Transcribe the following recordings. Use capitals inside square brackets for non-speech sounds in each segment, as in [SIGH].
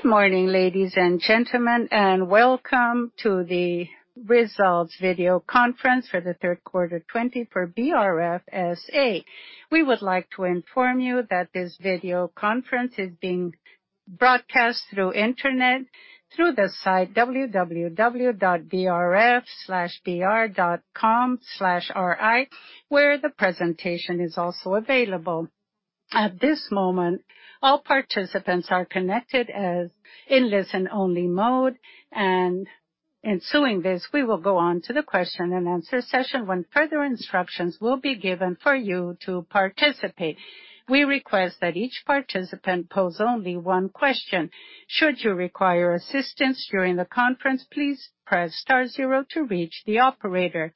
Good morning, ladies and gentlemen, welcome to the results video conference for the third quarter 2020 for BRF S.A. We would like to inform you that this video conference is being broadcast through internet through the site www.brf.com.br/ri, where the presentation is also available. At this moment, all participants are connected in listen-only mode and ensuing this, we will go on to the question and answer session, when further instructions will be given for you to participate. We request that each participant pose only one question. Should you require assistance during the conference, please press star zero to reach the operator.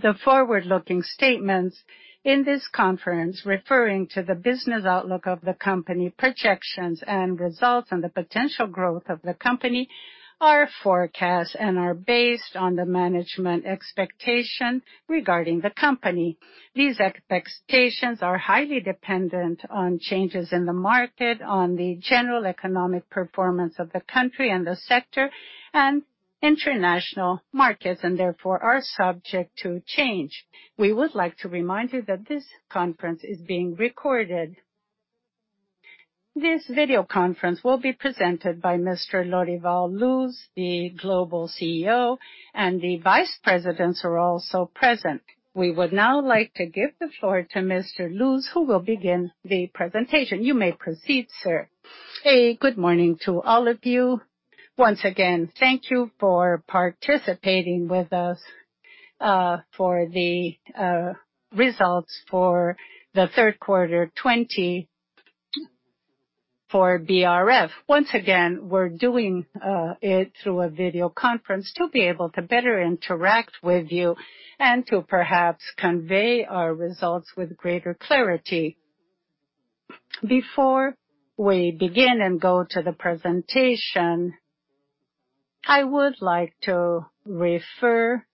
The forward-looking statements in this conference referring to the business outlook of the company, projections and results, and the potential growth of the company are forecasts and are based on the management expectation regarding the company. These expectations are highly dependent on changes in the market, on the general economic performance of the country and the sector and international markets, and therefore are subject to change. We would like to remind you that this conference is being recorded. This video conference will be presented by Mr. Lorival Luz, the Global CEO, and the vice presidents are also present. We would now like to give the floor to Mr. Luz, who will begin the presentation. You may proceed, sir. Hey, good morning to all of you. Once again, thank you for participating with us for the results for the third quarter 2020 for BRF. Once again, we're doing it through a video conference to be able to better interact with you and to perhaps convey our results with greater clarity. Before we begin and go to the presentation, I would like to refer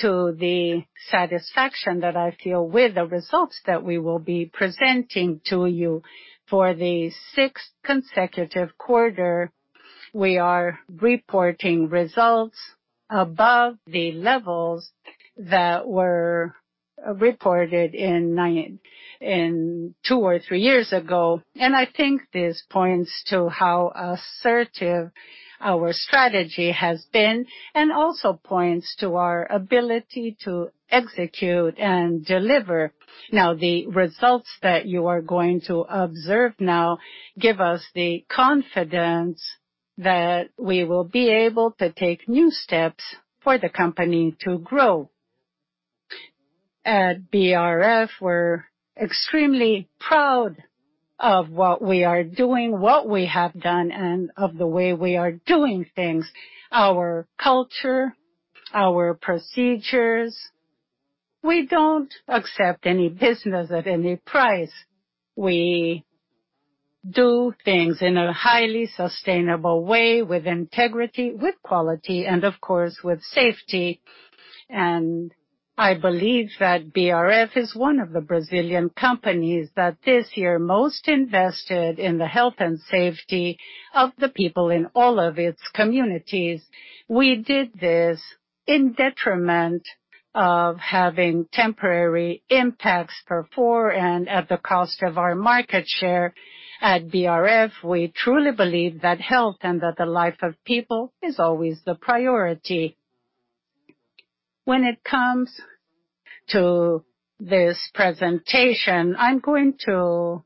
to the satisfaction that I feel with the results that we will be presenting to you. For the sixth consecutive quarter, we are reporting results above the levels that were reported two or three years ago. I think this points to how assertive our strategy has been and also points to our ability to execute and deliver. The results that you are going to observe now give us the confidence that we will be able to take new steps for the company to grow. At BRF, we're extremely proud of what we are doing, what we have done, and of the way we are doing things, our culture, our procedures. We don't accept any business at any price. We do things in a highly sustainable way with integrity, with quality, and of course with safety. I believe that BRF is one of the Brazilian companies that this year most invested in the health and safety of the people in all of its communities. We did this in detriment of having temporary impacts per se and at the cost of our market share. At BRF, we truly believe that health and that the life of people is always the priority. When it comes to this presentation, I'm going to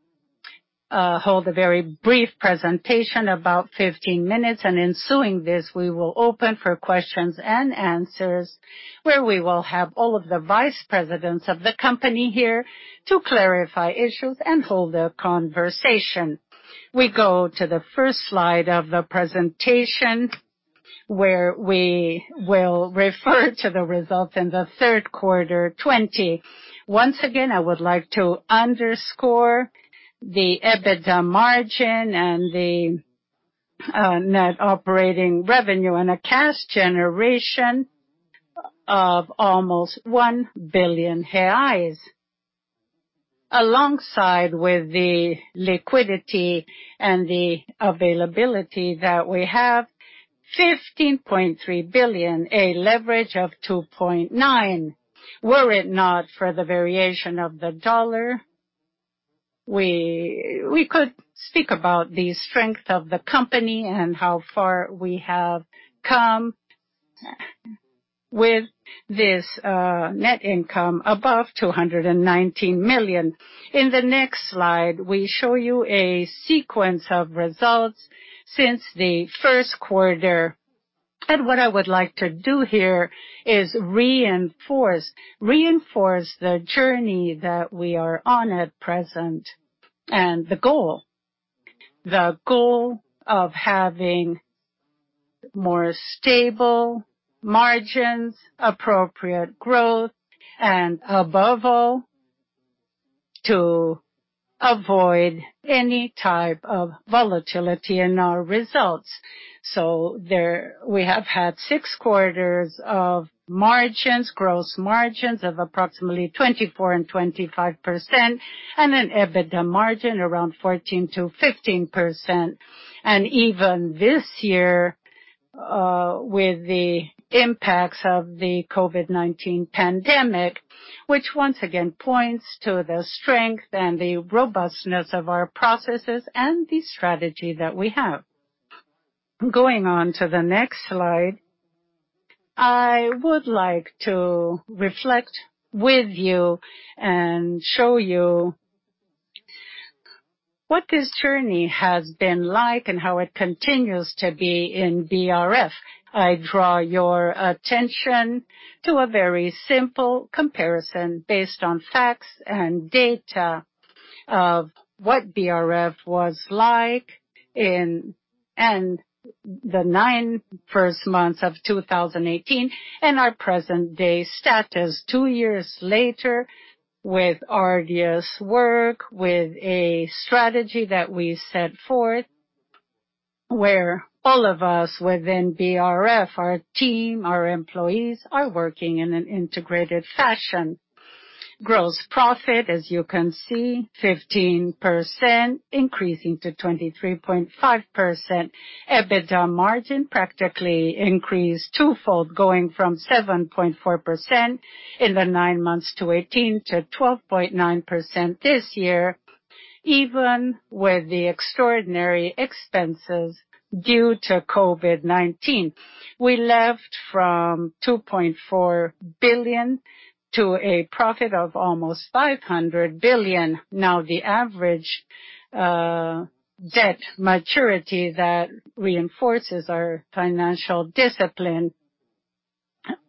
hold a very brief presentation about 15 minutes and ensuing this, we will open for questions and answers, where we will have all of the vice presidents of the company here to clarify issues and hold the conversation. We go to the first slide of the presentation, where we will refer to the results in the third quarter 2020. Once again, I would like to underscore the EBITDA margin and the net operating revenue, a cash generation of almost 1 billion reais. Alongside with the liquidity and the availability that we have, 15.3 billion, a leverage of 2.9. Were it not for the variation of the dollar, we could speak about the strength of the company and how far we have come with this net income above 219 million. In the next slide, we show you a sequence of results since the first quarter. What I would like to do here is reinforce the journey that we are on at present and the goal. The goal of having more stable margins, appropriate growth and above all, to avoid any type of volatility in our results. There we have had six quarters of margins, gross margins of approximately 24% and 25%, and an EBITDA margin around 14%-15%. Even this year, with the impacts of the COVID-19 pandemic, which once again points to the strength and the robustness of our processes and the strategy that we have. Going on to the next slide, I would like to reflect with you and show you what this journey has been like and how it continues to be in BRF. I draw your attention to a very simple comparison based on facts and data of what BRF was like in the nine first months of 2018 and our present-day status two years later, with arduous work, with a strategy that we set forth where all of us within BRF, our team, our employees, are working in an integrated fashion. Gross profit, as you can see, 15% increasing to 23.5%. EBITDA margin practically increased twofold, going from 7.4% in the nine months to 2018 to 12.9% this year, even with the extraordinary expenses due to COVID-19. We left from 2.4 billion to a profit of almost 500 billion. The average debt maturity that reinforces our financial discipline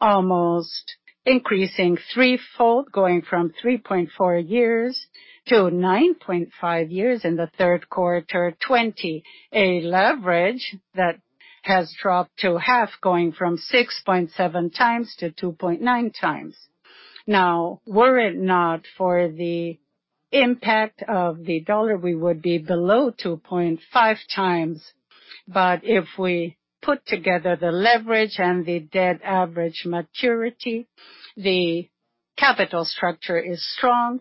almost increasing threefold, going from 3.4 years to 9.5 years in the third quarter 2020. A leverage that has dropped to half, going from 6.7x to 2.9x. Were it not for the impact of the dollar, we would be below 2.5x. If we put together the leverage and the debt average maturity, the capital structure is strong,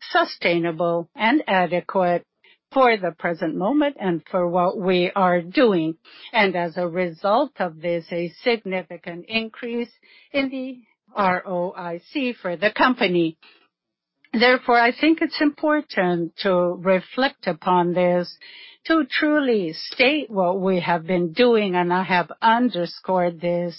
sustainable, and adequate for the present moment and for what we are doing. As a result of this, a significant increase in the ROIC for the company. Therefore, I think it's important to reflect upon this, to truly state what we have been doing, and I have underscored this.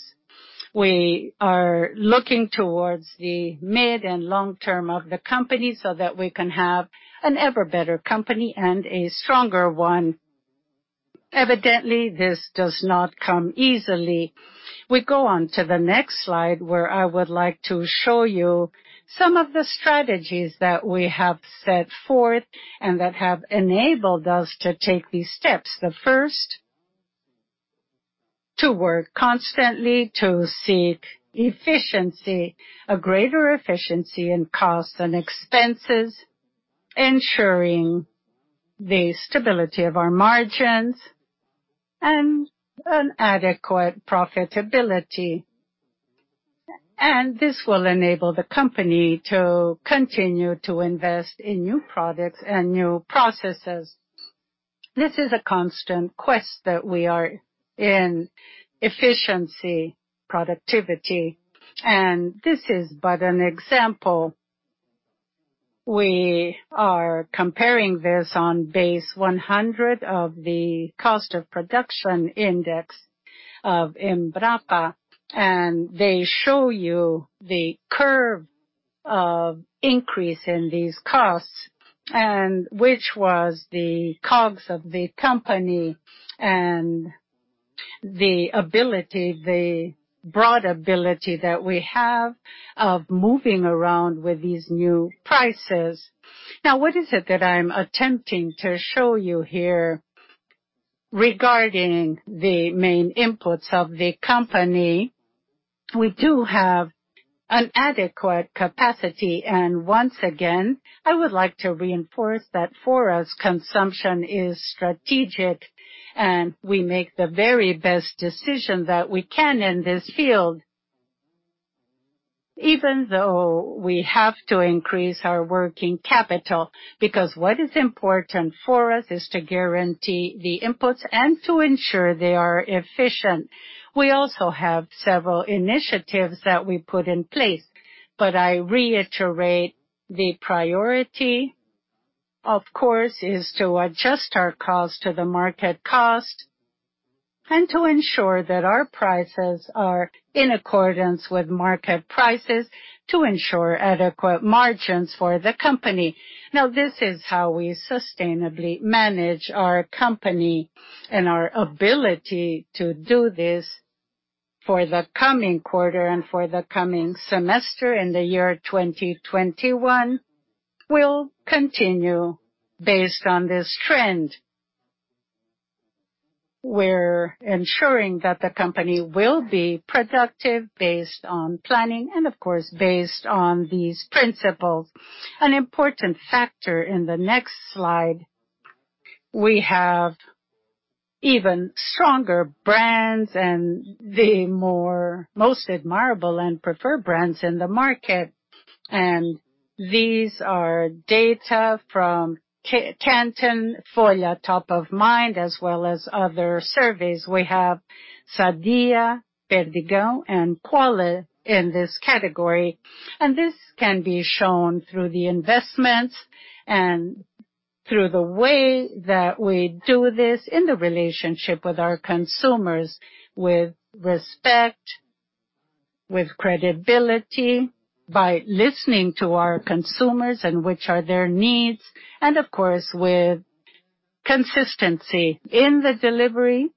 We are looking towards the mid and long-term of the company so that we can have an ever better company and a stronger one. Evidently, this does not come easily. We go on to the next slide, where I would like to show you some of the strategies that we have set forth and that have enabled us to take these steps. The first, to work constantly to seek efficiency, a greater efficiency in costs and expenses, ensuring the stability of our margins and an adequate profitability. This will enable the company to continue to invest in new products and new processes. This is a constant quest that we are in efficiency, productivity, and this is but an example. We are comparing this on base 100 of the cost of production index of Embrapa, they show you the curve of increase in these costs and which was the COGS of the company and the ability, the broad ability that we have of moving around with these new prices. What is it that I'm attempting to show you here regarding the main inputs of the company? We do have an adequate capacity, and once again, I would like to reinforce that for us, consumption is strategic, and we make the very best decision that we can in this field. Even though we have to increase our working capital, because what is important for us is to guarantee the inputs and to ensure they are efficient. We also have several initiatives that we put in place, but I reiterate the priority, of course, is to adjust our cost to the market cost and to ensure that our prices are in accordance with market prices to ensure adequate margins for the company. Now, this is how we sustainably manage our company and our ability to do this for the coming quarter and for the coming semester in the year 2021 will continue based on this trend. We're ensuring that the company will be productive based on planning and, of course, based on these principles. An important factor in the next slide. We have even stronger brands and the most admirable and preferred brands in the market. These are data from Kantar, Folha Top of Mind, as well as other surveys. We have Sadia, Perdigão, and Qualy in this category. This can be shown through the investments and through the way that we do this in the relationship with our consumers, with respect, with credibility, by listening to our consumers and which are their needs, and of course, with consistency in the delivery,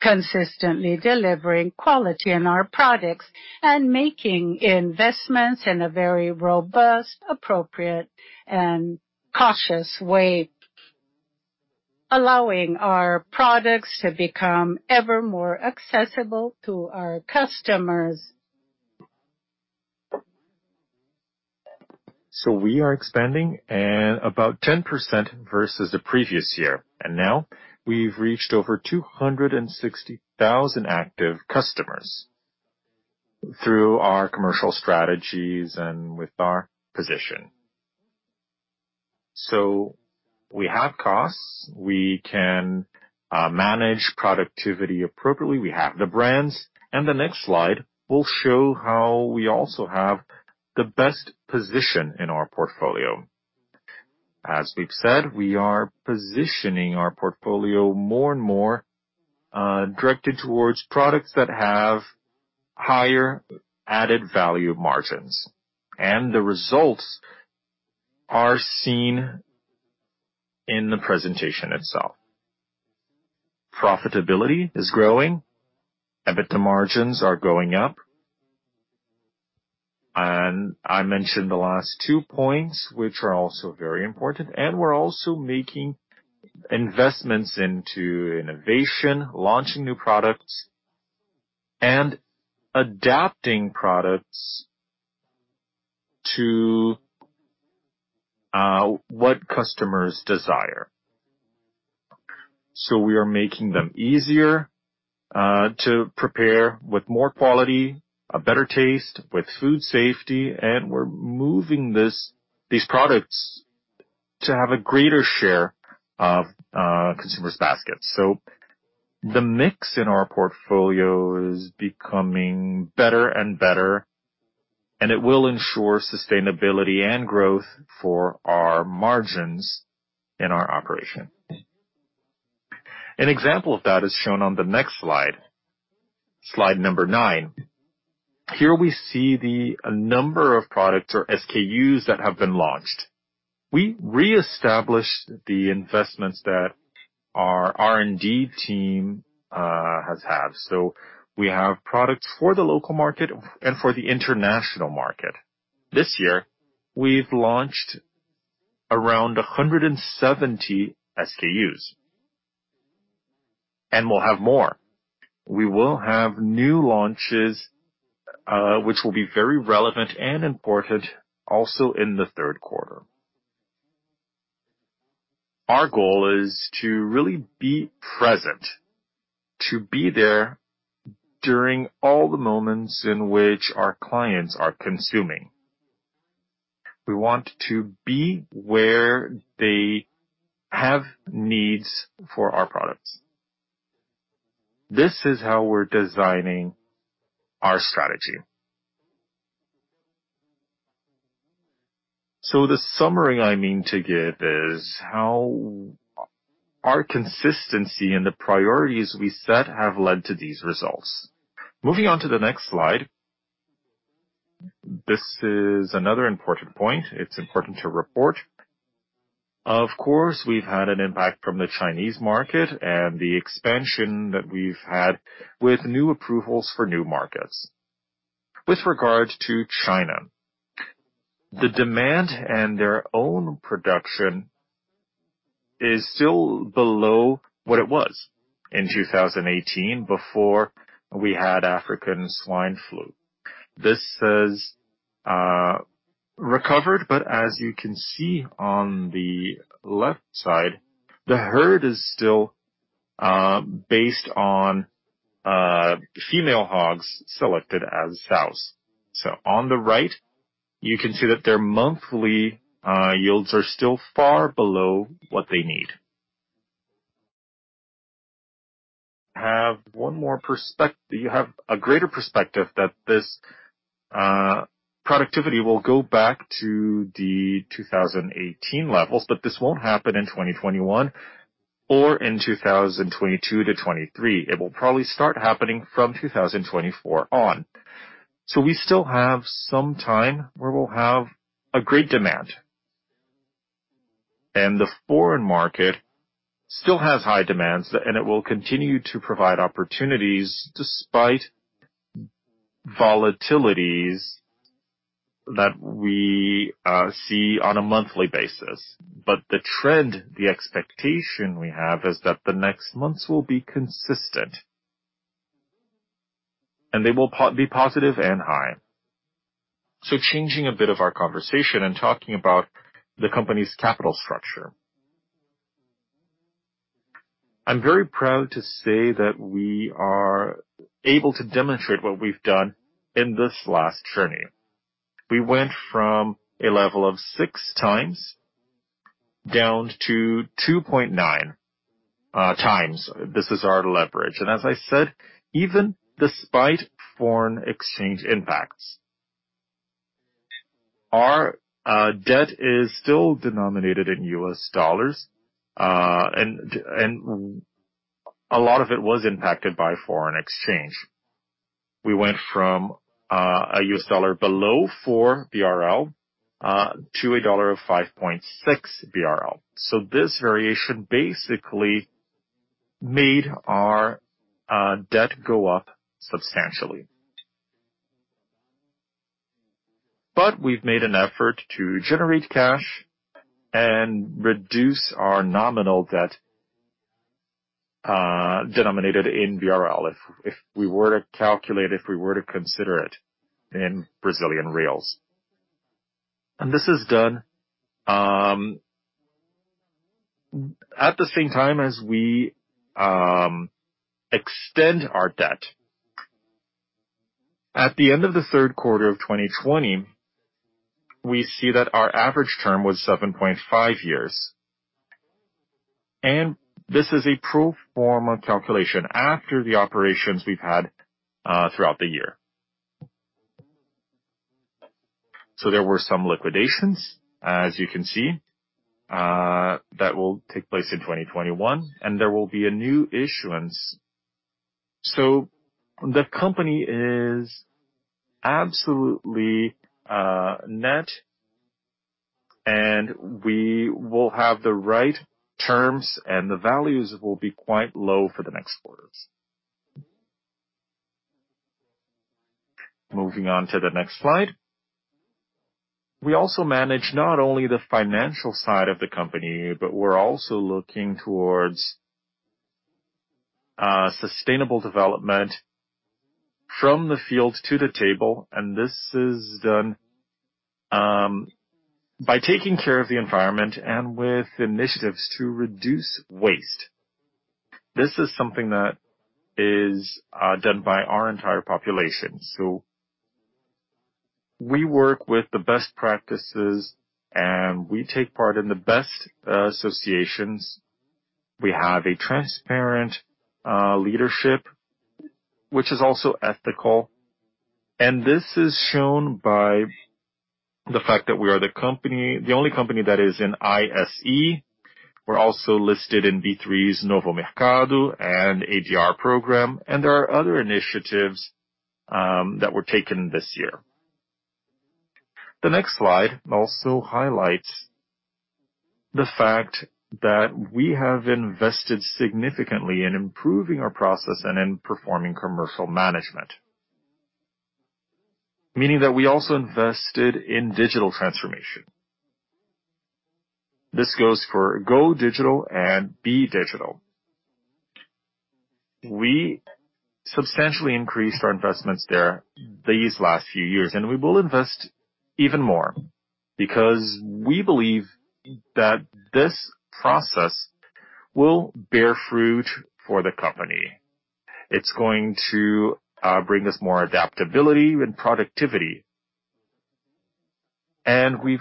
consistently delivering quality in our products, and making investments in a very robust, appropriate, and cautious way, allowing our products to become ever more accessible to our customers. We are expanding at about 10% versus the previous year. Now we've reached over 260,000 active customers through our commercial strategies and with our position. We have costs. We can manage productivity appropriately. We have the brands. The next slide will show how we also have the best position in our portfolio. As we've said, we are positioning our portfolio more and more directed towards products that have higher added value margins. The results are seen in the presentation itself. Profitability is growing. EBITDA margins are going up. I mentioned the last two points, which are also very important. We're also making investments into innovation, launching new products, and adapting products to what customers desire. We are making them easier to prepare with more quality, a better taste, with food safety, and we're moving these products to have a greater share of consumers' baskets. The mix in our portfolio is becoming better and better, and it will ensure sustainability and growth for our margins in our operation. An example of that is shown on the next slide. Slide number nine. Here we see the number of products or SKUs that have been launched. We reestablish the investments that our R&D team has had. We have products for the local market and for the international market. This year, we've launched around 170 SKUs. We'll have more. We will have new launches, which will be very relevant and important, also in the third quarter. Our goal is to really be present, to be there during all the moments in which our clients are consuming. We want to be where they have needs for our products. This is how we're designing our strategy. The summary I mean to give is how our consistency and the priorities we set have led to these results. Moving on to the next slide. This is another important point. It's important to report. Of course, we've had an impact from the Chinese market and the expansion that we've had with new approvals for new markets. With regard to China, the demand and their own production is still below what it was in 2018 before we had African swine fever. This has recovered, but as you can see on the left side, the herd is still based on female hogs selected as sows. On the right, you can see that their monthly yields are still far below what they need. We have a greater perspective that this productivity will go back to the 2018 levels, but this won't happen in 2021 or in 2022-2023. It will probably start happening from 2024 on. We still have some time where we'll have a great demand. The foreign market still has high demands, and it will continue to provide opportunities despite volatilities that we see on a monthly basis. The trend, the expectation we have is that the next months will be consistent, and they will be positive and high. Changing a bit of our conversation and talking about the company's capital structure, I'm very proud to say that we are able to demonstrate what we've done in this last journey. We went from a level of 6x down to 2.9x. This is our leverage. As I said, even despite foreign exchange impacts, our debt is still denominated in U.S. dollars, and a lot of it was impacted by foreign exchange. We went from a U.S. dollar below 4 BRL to a dollar of 5.6 BRL. This variation basically made our debt go up substantially. We've made an effort to generate cash and reduce our nominal debt, denominated in Brazilian reals. If we were to calculate, if we were to consider it in BRL. This is done at the same time as we extend our debt. At the end of the third quarter of 2020, we see that our average term was 7.5 years. This is a pro forma calculation after the operations we've had throughout the year. There were some liquidations, as you can see, that will take place in 2021, and there will be a new issuance. The company is absolutely net, and we will have the right terms, and the values will be quite low for the next quarters. Moving on to the next slide. We also manage not only the financial side of the company, but we're also looking towards sustainable development from the field to the table, and this is done by taking care of the environment and with initiatives to reduce waste. This is something that is done by our entire population. We work with the best practices, and we take part in the best associations. We have a transparent leadership, which is also ethical, and this is shown by the fact that we are the only company that is in ISE. We're also listed in B3's Novo Mercado and ADR program. There are other initiatives that were taken this year. The next slide also highlights the fact that we have invested significantly in improving our process and in performing commercial management, meaning that we also invested in digital transformation. This goes for go digital and be digital. We substantially increased our investments there these last few years. We will invest even more because we believe that this process will bear fruit for the company. It's going to bring us more adaptability and productivity. We've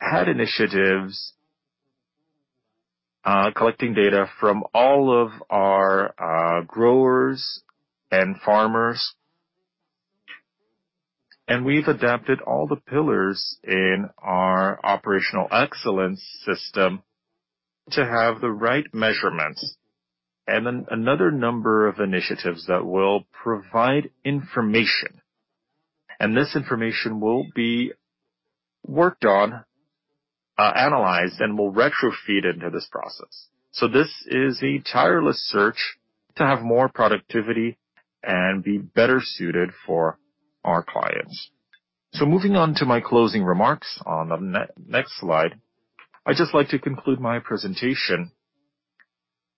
had initiatives collecting data from all of our growers and farmers. We've adapted all the pillars in our operational excellence system to have the right measurements. Another number of initiatives that will provide information. This information will be worked on, analyzed, and will retrofeed into this process. This is a tireless search to have more productivity and be better suited for our clients. Moving on to my closing remarks on the next slide. I'd just like to conclude my presentation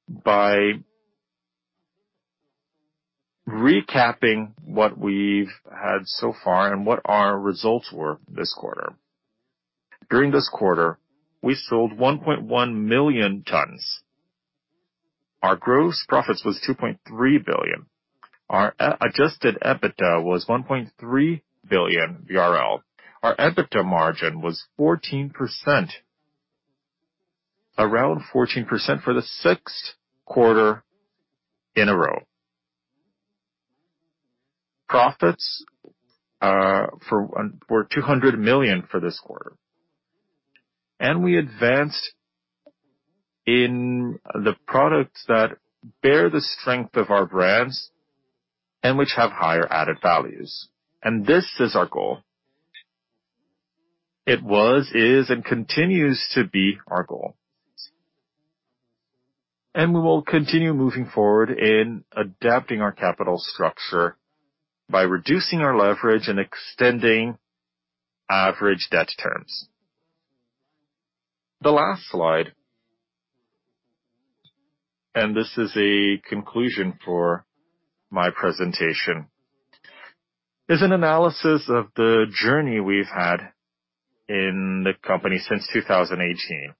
by recapping what we've had so far and what our results were this quarter. During this quarter, we sold 1.1 million tons. Our gross profits was 2.3 billion. Our adjusted EBITDA was 1.3 billion. Our EBITDA margin was 14%. Around 14% for the sixth quarter in a row. Profits were 200 million for this quarter. We advanced in the products that bear the strength of our brands and which have higher added values. This is our goal. It was, is, and continues to be our goal. We will continue moving forward in adapting our capital structure by reducing our leverage and extending average debt terms. The last slide. This is a conclusion for my presentation. As an analysis of the journey we've had in the company since 2018,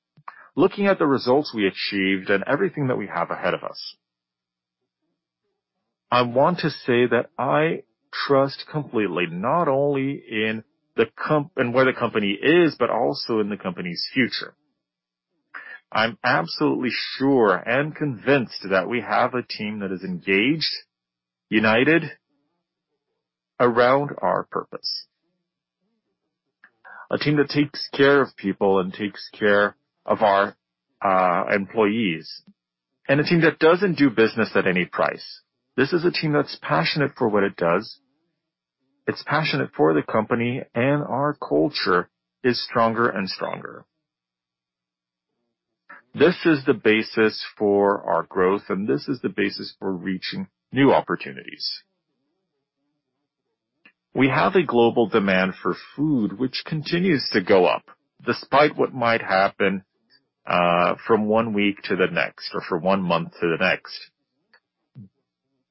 looking at the results we achieved and everything that we have ahead of us, I want to say that I trust completely, not only in where the company is, but also in the company's future. I'm absolutely sure and convinced that we have a team that is engaged, united around our purpose, a team that takes care of people and takes care of our employees, and a team that doesn't do business at any price. This is a team that's passionate for what it does, it's passionate for the company, and our culture is stronger and stronger. This is the basis for our growth, and this is the basis for reaching new opportunities. We have a global demand for food, which continues to go up despite what might happen from one week to the next or from one month to the next.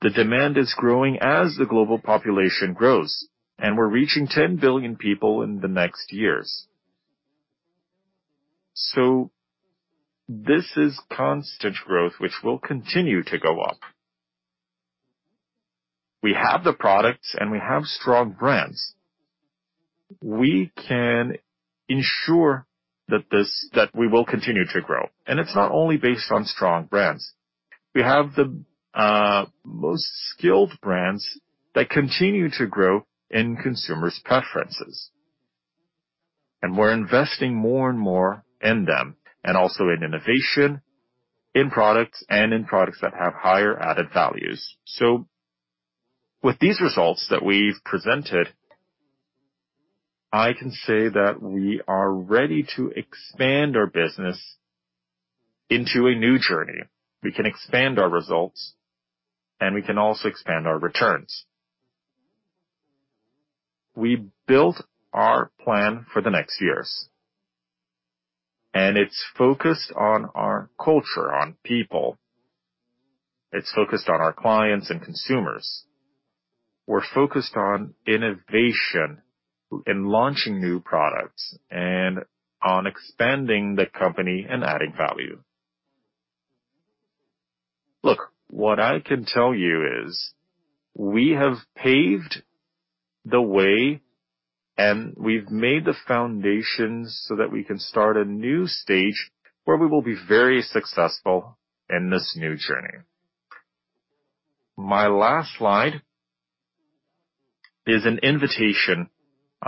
The demand is growing as the global population grows, and we're reaching 10 billion people in the next years. This is constant growth, which will continue to go up. We have the products, and we have strong brands. We can ensure that we will continue to grow, and it's not only based on strong brands. We have the most skilled brands that continue to grow in consumers' preferences. We're investing more and more in them, and also in innovation, in products, and in products that have higher added values. With these results that we've presented, I can say that we are ready to expand our business into a new journey. We can expand our results, and we can also expand our returns. We built our plan for the next years, and it's focused on our culture, on people. It's focused on our clients and consumers. We're focused on innovation in launching new products and on expanding the company and adding value. Look, what I can tell you is we have paved the way, and we've made the foundations so that we can start a new stage where we will be very successful in this new journey.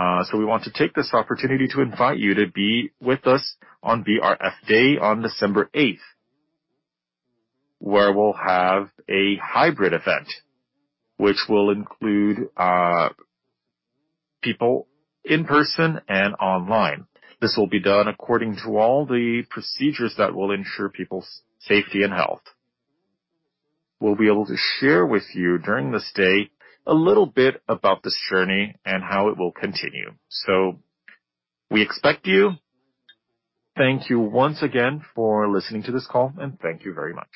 My last slide is an invitation. We want to take this opportunity to invite you to be with us on BRF Day on December 8th, where we'll have a hybrid event, which will include people in person and online. This will be done according to all the procedures that will ensure people's safety and health. We'll be able to share with you during this day a little bit about this journey and how it will continue. We expect you. Thank you once again for listening to this call, and thank you very much.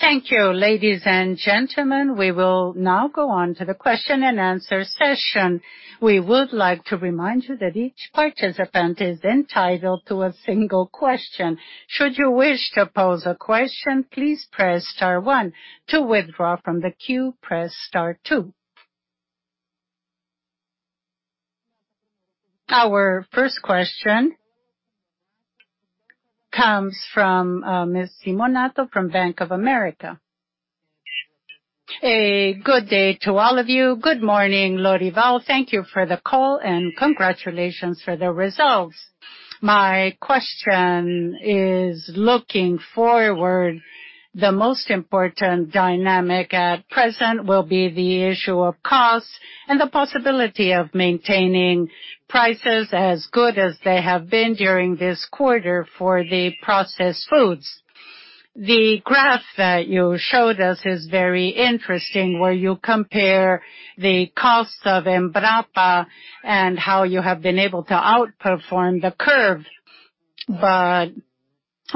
Thank you, ladies and gentlemen. We will now go on to the question and answer session. We would like to remind you that each participant is entitled to a single question. Should you wish to pose a question, please press star one. To withdraw from the queue, press star two. Our first question comes from Ms. Simonato from Bank of America. A good day to all of you. Good morning, Lorival. Thank you for the call and congratulations for the results. My question is looking forward, the most important dynamic at present will be the issue of cost and the possibility of maintaining prices as good as they have been during this quarter for the processed foods. The graph that you showed us is very interesting, where you compare the cost of Embrapa and how you have been able to outperform the curve.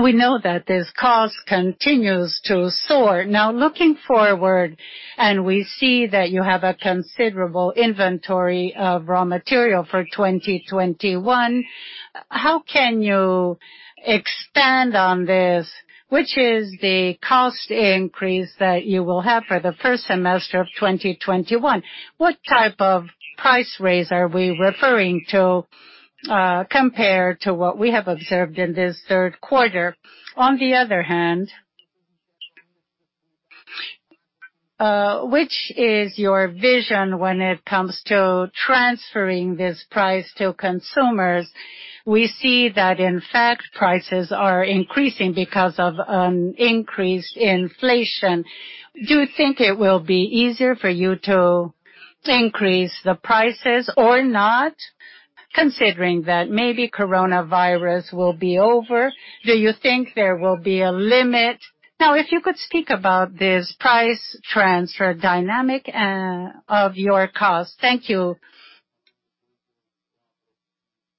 We know that this cost continues to soar. Looking forward, and we see that you have a considerable inventory of raw material for 2021. How can you expand on this? Which is the cost increase that you will have for the first semester of 2021? What type of price raise are we referring to compared to what we have observed in this third quarter? On the other hand, which is your vision when it comes to transferring this price to consumers? We see that in fact, prices are increasing because of an increased inflation. Do you think it will be easier for you to increase the prices or not? Considering that maybe coronavirus will be over, do you think there will be a limit? If you could speak about this price transfer dynamic of your cost. Thank you.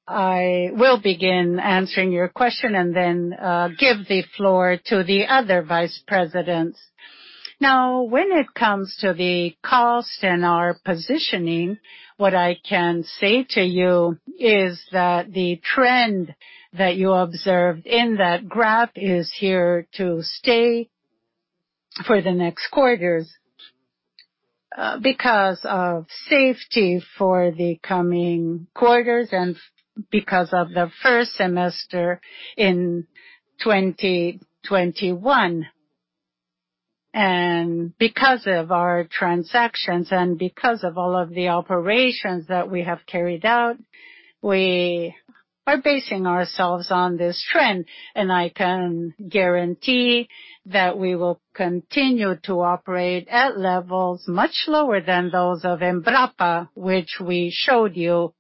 I will begin answering your question and then give the floor to the other vice presidents. Now, when it comes to the cost and our positioning, what I can say to you is that the trend that you observed in that graph is here to stay for the next quarters because of safety for the coming quarters and because of the first semester in 2021. Because of our transactions and because of all of the operations that we have carried out, we are basing ourselves on this trend, and I can guarantee that we will continue to operate at levels much lower than those of Embrapa, which we showed you.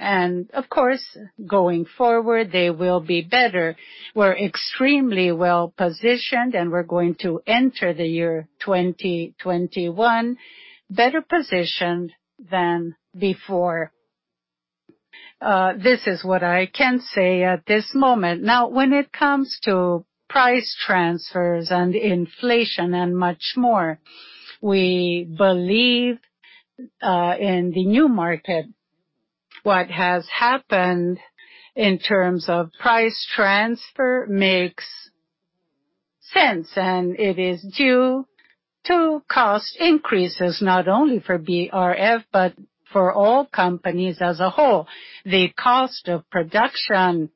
Of course, going forward, they will be better. We're extremely well-positioned, and we're going to enter the year 2021 better positioned than before. This is what I can say at this moment. Now, when it comes to price transfers and inflation and much more, we believe in the new market. What has happened in terms of price transfer makes sense, and it is due to cost increases not only for BRF, but for all companies as a whole. The cost of production,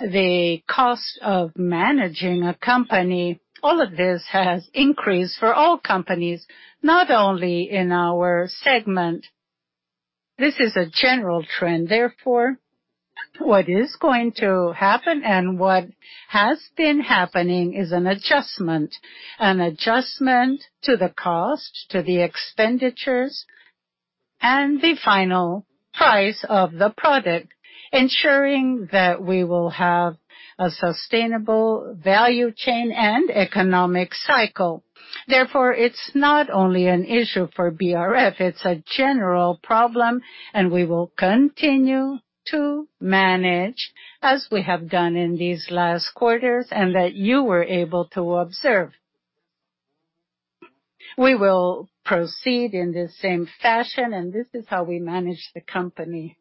the cost of managing a company, all of this has increased for all companies, not only in our segment. This is a general trend. Therefore, what is going to happen and what has been happening is an adjustment. An adjustment to the cost, to the expenditures, and the final price of the product, ensuring that we will have a sustainable value chain and economic cycle. Therefore, it's not only an issue for BRF, it's a general problem, and we will continue to manage as we have done in these last quarters and that you were able to observe. We will proceed in the same fashion, and this is how we manage the company.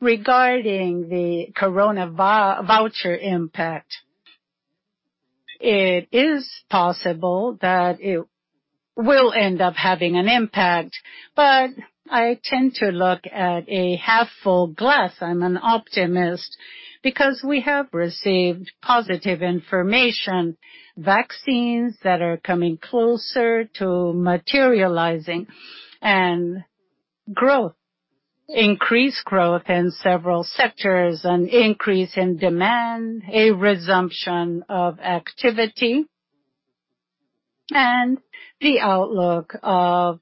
Regarding the corona voucher impact, it is possible that it will end up having an impact. I tend to look at a half-full glass. I'm an optimist. We have received positive information, vaccines that are coming closer to materializing, and growth. Increased growth in several sectors, an increase in demand, a resumption of activity, and the outlook of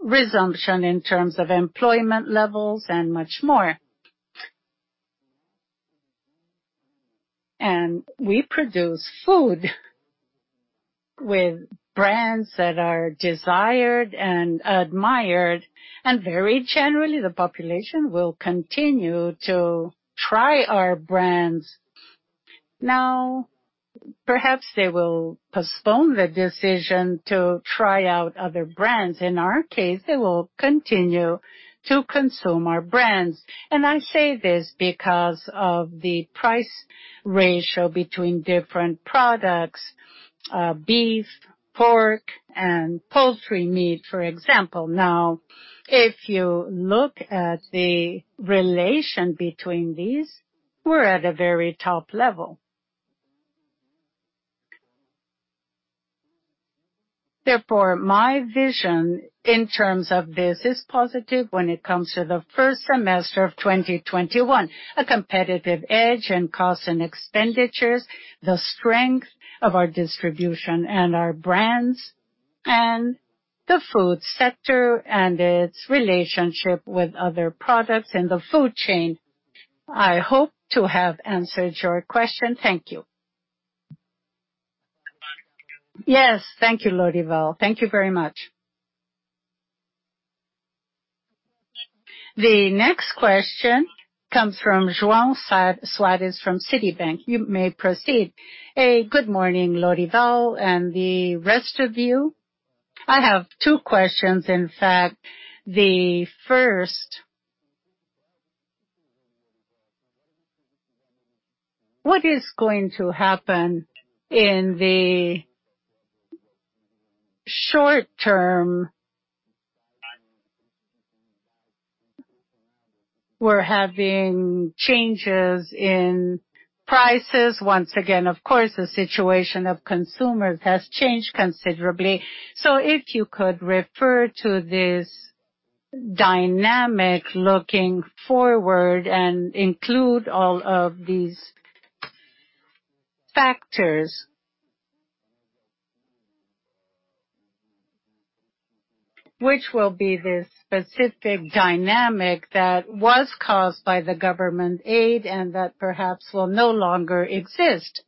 resumption in terms of employment levels and much more. We produce food with brands that are desired and admired, and very generally, the population will continue to try our brands. Perhaps they will postpone the decision to try out other brands. In our case, they will continue to consume our brands. I say this because of the price ratio between different products: beef, pork, and poultry meat, for example. Now, if you look at the relation between these, we are at a very top level. Therefore, my vision in terms of this is positive when it comes to the first semester of 2021. A competitive edge in cost and expenditures, the strength of our distribution and our brands, and the food sector and its relationship with other products in the food chain. I hope to have answered your question. Thank you. Yes. Thank you, Lorival. Thank you very much. The next question comes from João Soares from Citibank. You may proceed. Hey, good morning, Lorival and the rest of you. I have two questions. In fact, the first: what is going to happen in the short term? We are having changes in prices once again. Of course, the situation of consumers has changed considerably. If you could refer to this dynamic looking forward, and include all of these factors. Which will be this specific dynamic that was caused by the government aid, and that perhaps will no longer exist.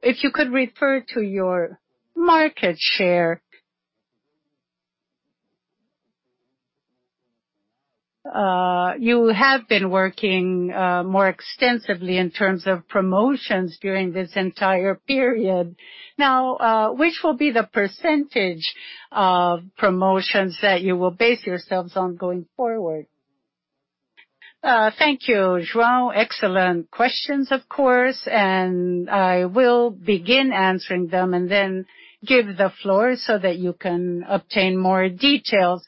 If you could refer to your market share. You have been working more extensively in terms of promotions during this entire period. Which will be the percentage of promotions that you will base yourselves on going forward? Thank you, João. Excellent questions, of course. I will begin answering them and then give the floor so that you can obtain more details.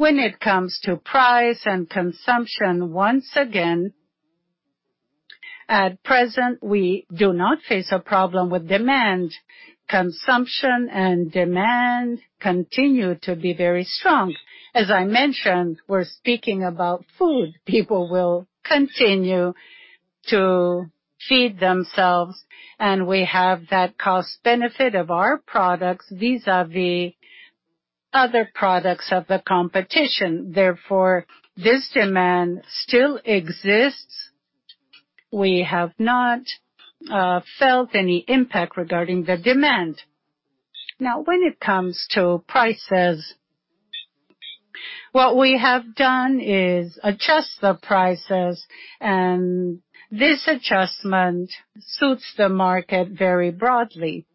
When it comes to price and consumption, once again, at present, we do not face a problem with demand. Consumption and demand continue to be very strong. As I mentioned, we're speaking about food. People will continue to feed themselves, and we have that cost benefit of our products vis-a-vis other products of the competition. Therefore, this demand still exists. We have not felt any impact regarding the demand. Now, when it comes to prices, what we have done is adjust the prices, and this adjustment suits the market very broadly.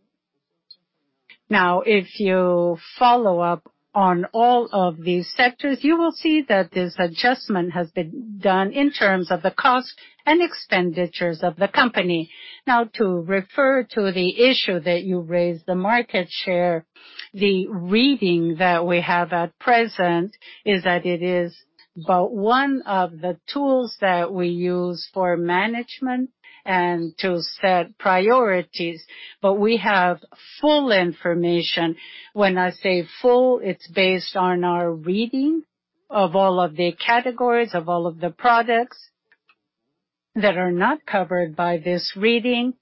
Now, if you follow up on all of these sectors, you will see that this adjustment has been done in terms of the cost and expenditures of the company. Now, to refer to the issue that you raised, the market share, the reading that we have at present is that it is but one of the tools that we use for management and to set priorities. We have full information. When I say full, it's based on our reading of all of the categories, of all of the products that are not covered by this reading,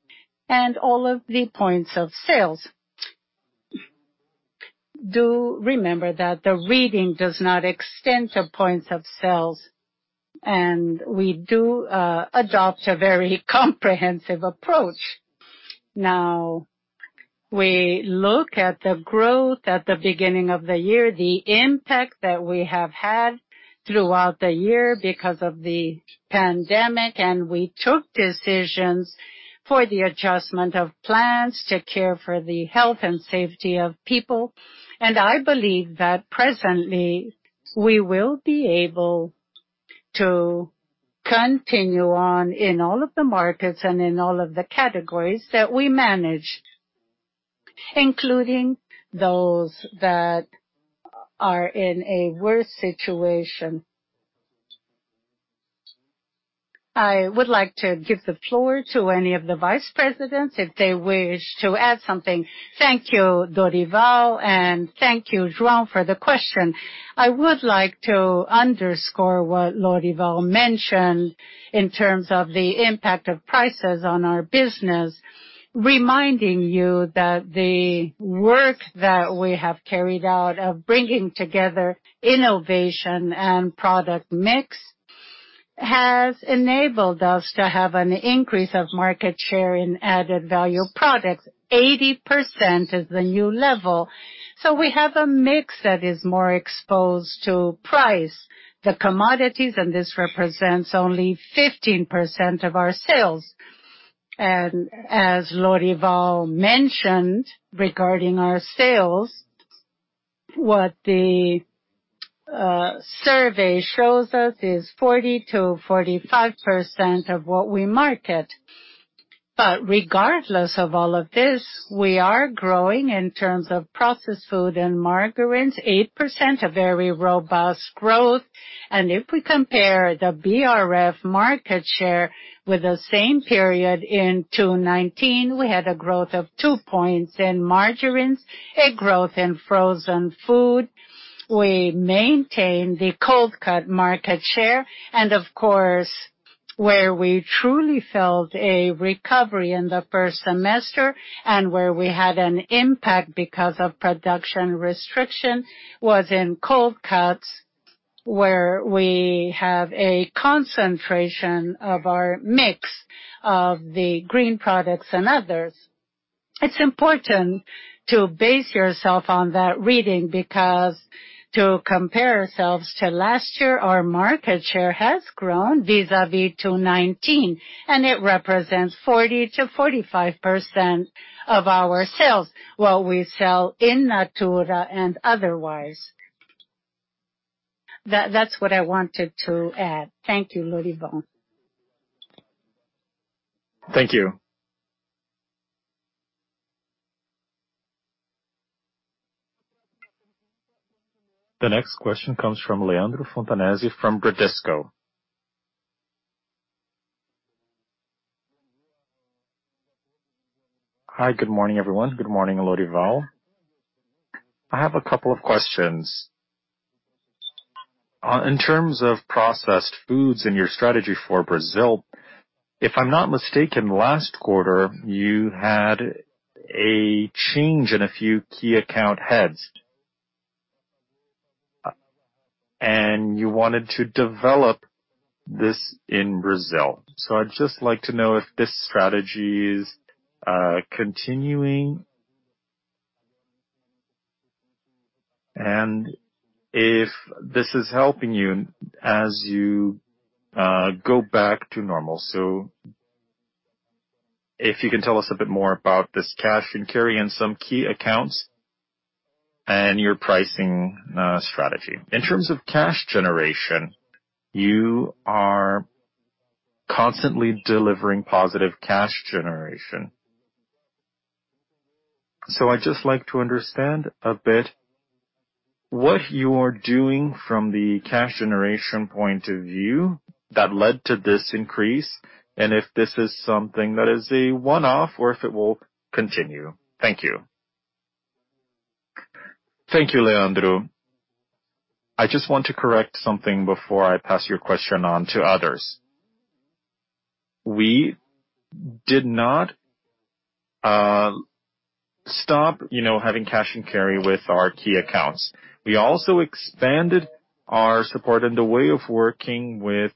and all of the points of sales. Do remember that the reading does not extend to points of sales. We do adopt a very comprehensive approach. Now, we look at the growth at the beginning of the year, the impact that we have had throughout the year because of the pandemic, and we took decisions for the adjustment of plans to care for the health and safety of people. I believe that presently, we will be able to continue on in all of the markets and in all of the categories that we manage, including those that are in a worse situation. I would like to give the floor to any of the vice presidents if they wish to add something. Thank you, Lorival, and thank you, João, for the question. I would like to underscore what Lorival mentioned in terms of the impact of prices on our business, reminding you that the work that we have carried out of bringing together innovation and product mix has enabled us to have an increase of market share in added value products. 80% is the new level. We have a mix that is more exposed to price. The commodities in this represents only 15% of our sales. As Lorival mentioned regarding our sales, what the survey shows us is 40%-45% of what we market. Regardless of all of this, we are growing in terms of processed food and margarine, 8%, a very robust growth. If we compare the BRF market share with the same period in 2019, we had a growth of two points in margarine, a growth in frozen food. We maintained the cold cut market share. Of course, where we truly felt a recovery in the first semester and where we had an impact because of production restriction was in cold cuts, where we have a concentration of our mix of the green products and others. It's important to base yourself on that reading because to compare ourselves to last year, our market share has grown vis-à-vis 2019, and it represents 40%-45% of our sales. What we sell in natura and otherwise. That's what I wanted to add. Thank you, Lorival. Thank you. The next question comes from Leandro Fontanesi from Bradesco. Hi, good morning, everyone. Good morning, Lorival. I have a couple of questions. In terms of processed foods and your strategy for Brazil, if I'm not mistaken, last quarter, you had a change in a few key account heads, and you wanted to develop this in Brazil. I'd just like to know if this strategy is continuing, and if this is helping you as you go back to normal. If you can tell us a bit more about this cash and carry in some key accounts, and your pricing strategy. In terms of cash generation, you are constantly delivering positive cash generation. I'd just like to understand a bit what you're doing from the cash generation point of view that led to this increase, and if this is something that is a one-off or if it will continue. Thank you. Thank you, Leandro. I just want to correct something before I pass your question on to others. We did not stop having cash and carry with our key accounts. We also expanded our support and the way of working with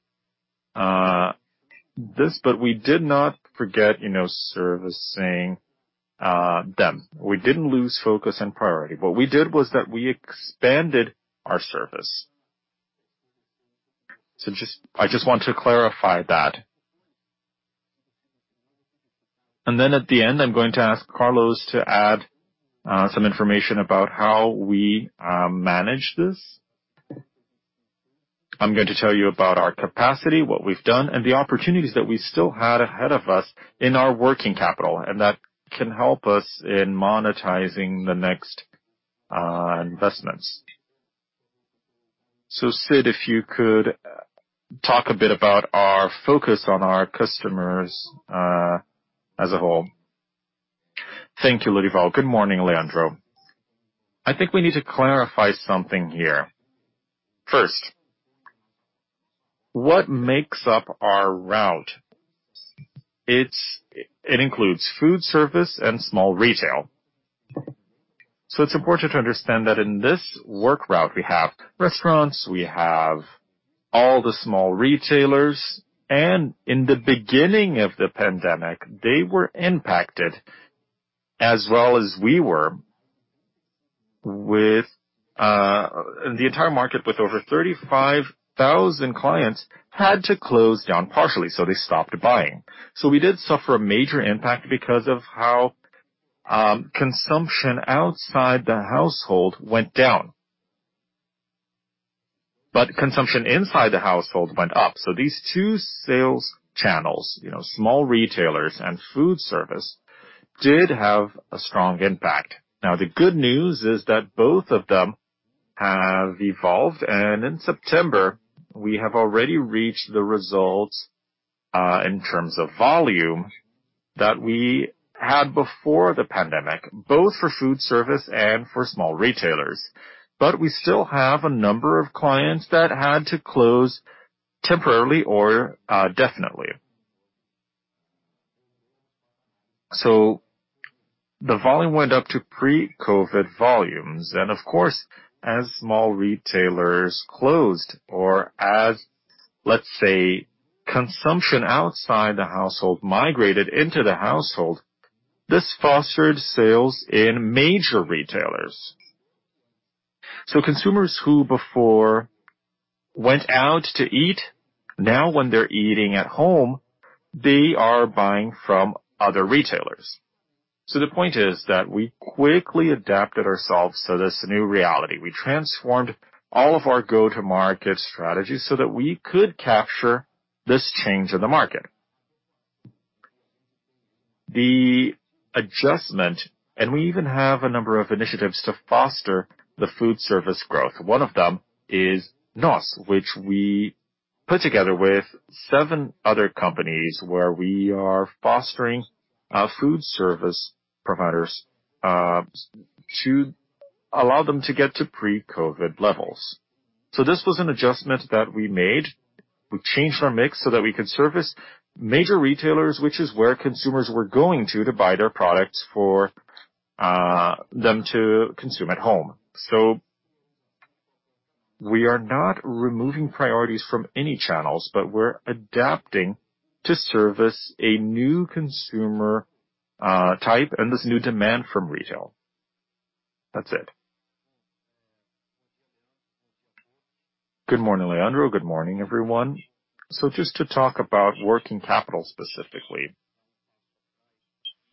this, but we did not forget servicing them. We didn't lose focus and priority. What we did was that we expanded our service. I just want to clarify that. At the end, I'm going to ask Carlos to add some information about how we manage this. I'm going to tell you about our capacity, what we've done, and the opportunities that we still had ahead of us in our working capital, and that can help us in monetizing the next investments. Sid, if you could talk a bit about our focus on our customers as a whole. Thank you, Lorival. Good morning, Leandro. I think we need to clarify something here. First, what makes up our route? It includes food service and small retail. It's important to understand that in this work route, we have restaurants, we have all the small retailers, and in the beginning of the pandemic, they were impacted as well as we were. The entire market, with over 35,000 clients, had to close down partially, so they stopped buying. We did suffer a major impact because of how consumption outside the household went down. Consumption inside the household went up. These two sales channels, small retailers and food service, did have a strong impact. Now, the good news is that both of them have evolved, and in September, we have already reached the results, in terms of volume, that we had before the pandemic, both for food service and for small retailers. We still have a number of clients that had to close temporarily or definitely. The volume went up to pre-COVID volumes, and of course, as small retailers closed or as, let's say, consumption outside the household migrated into the household, this fostered sales in major retailers. Consumers who before went out to eat, now, when they're eating at home, they are buying from other retailers. The point is that we quickly adapted ourselves to this new reality. We transformed all of our go-to-market strategies so that we could capture this change in the market. We even have a number of initiatives to foster the food service growth. One of them is NOS, which we put together with seven other companies, where we are fostering our food service providers to allow them to get to pre-COVID levels. This was an adjustment that we made. We changed our mix so that we could service major retailers, which is where consumers were going to buy their products for them to consume at home. We are not removing priorities from any channels, but we're adapting to service a new consumer type and this new demand from retail. That's it. Good morning, Leandro. Good morning, everyone. Just to talk about working capital specifically,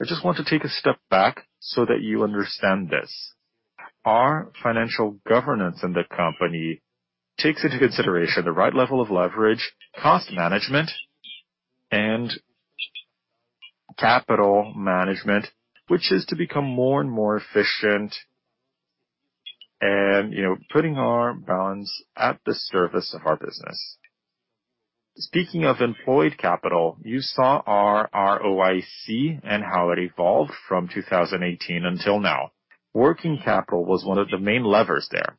I just want to take a step back so that you understand this. Our financial governance in the company takes into consideration the right level of leverage, cost management, and capital management, which is to become more and more efficient and putting our balance at the service of our business. Speaking of employed capital, you saw our ROIC and how it evolved from 2018 until now. Working capital was one of the main levers there.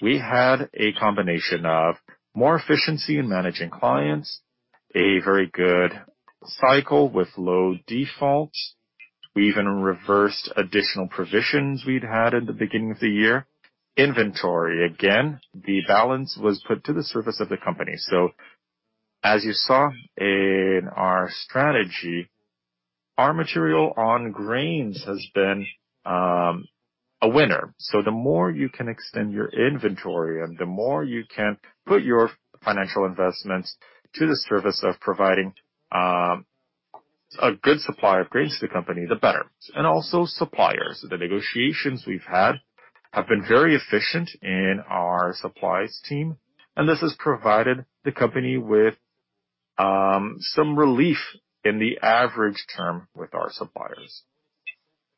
We had a combination of more efficiency in managing clients, a very good cycle with low defaults. We even reversed additional provisions we'd had at the beginning of the year. Inventory, again, the balance was put to the service of the company. As you saw in our strategy, our material on grains has been a winner. The more you can extend your inventory and the more you can put your financial investments to the service of providing a good supply of grains to the company, the better. Also suppliers. The negotiations we've had have been very efficient in our supplies team, and this has provided the company with some relief in the average term with our suppliers.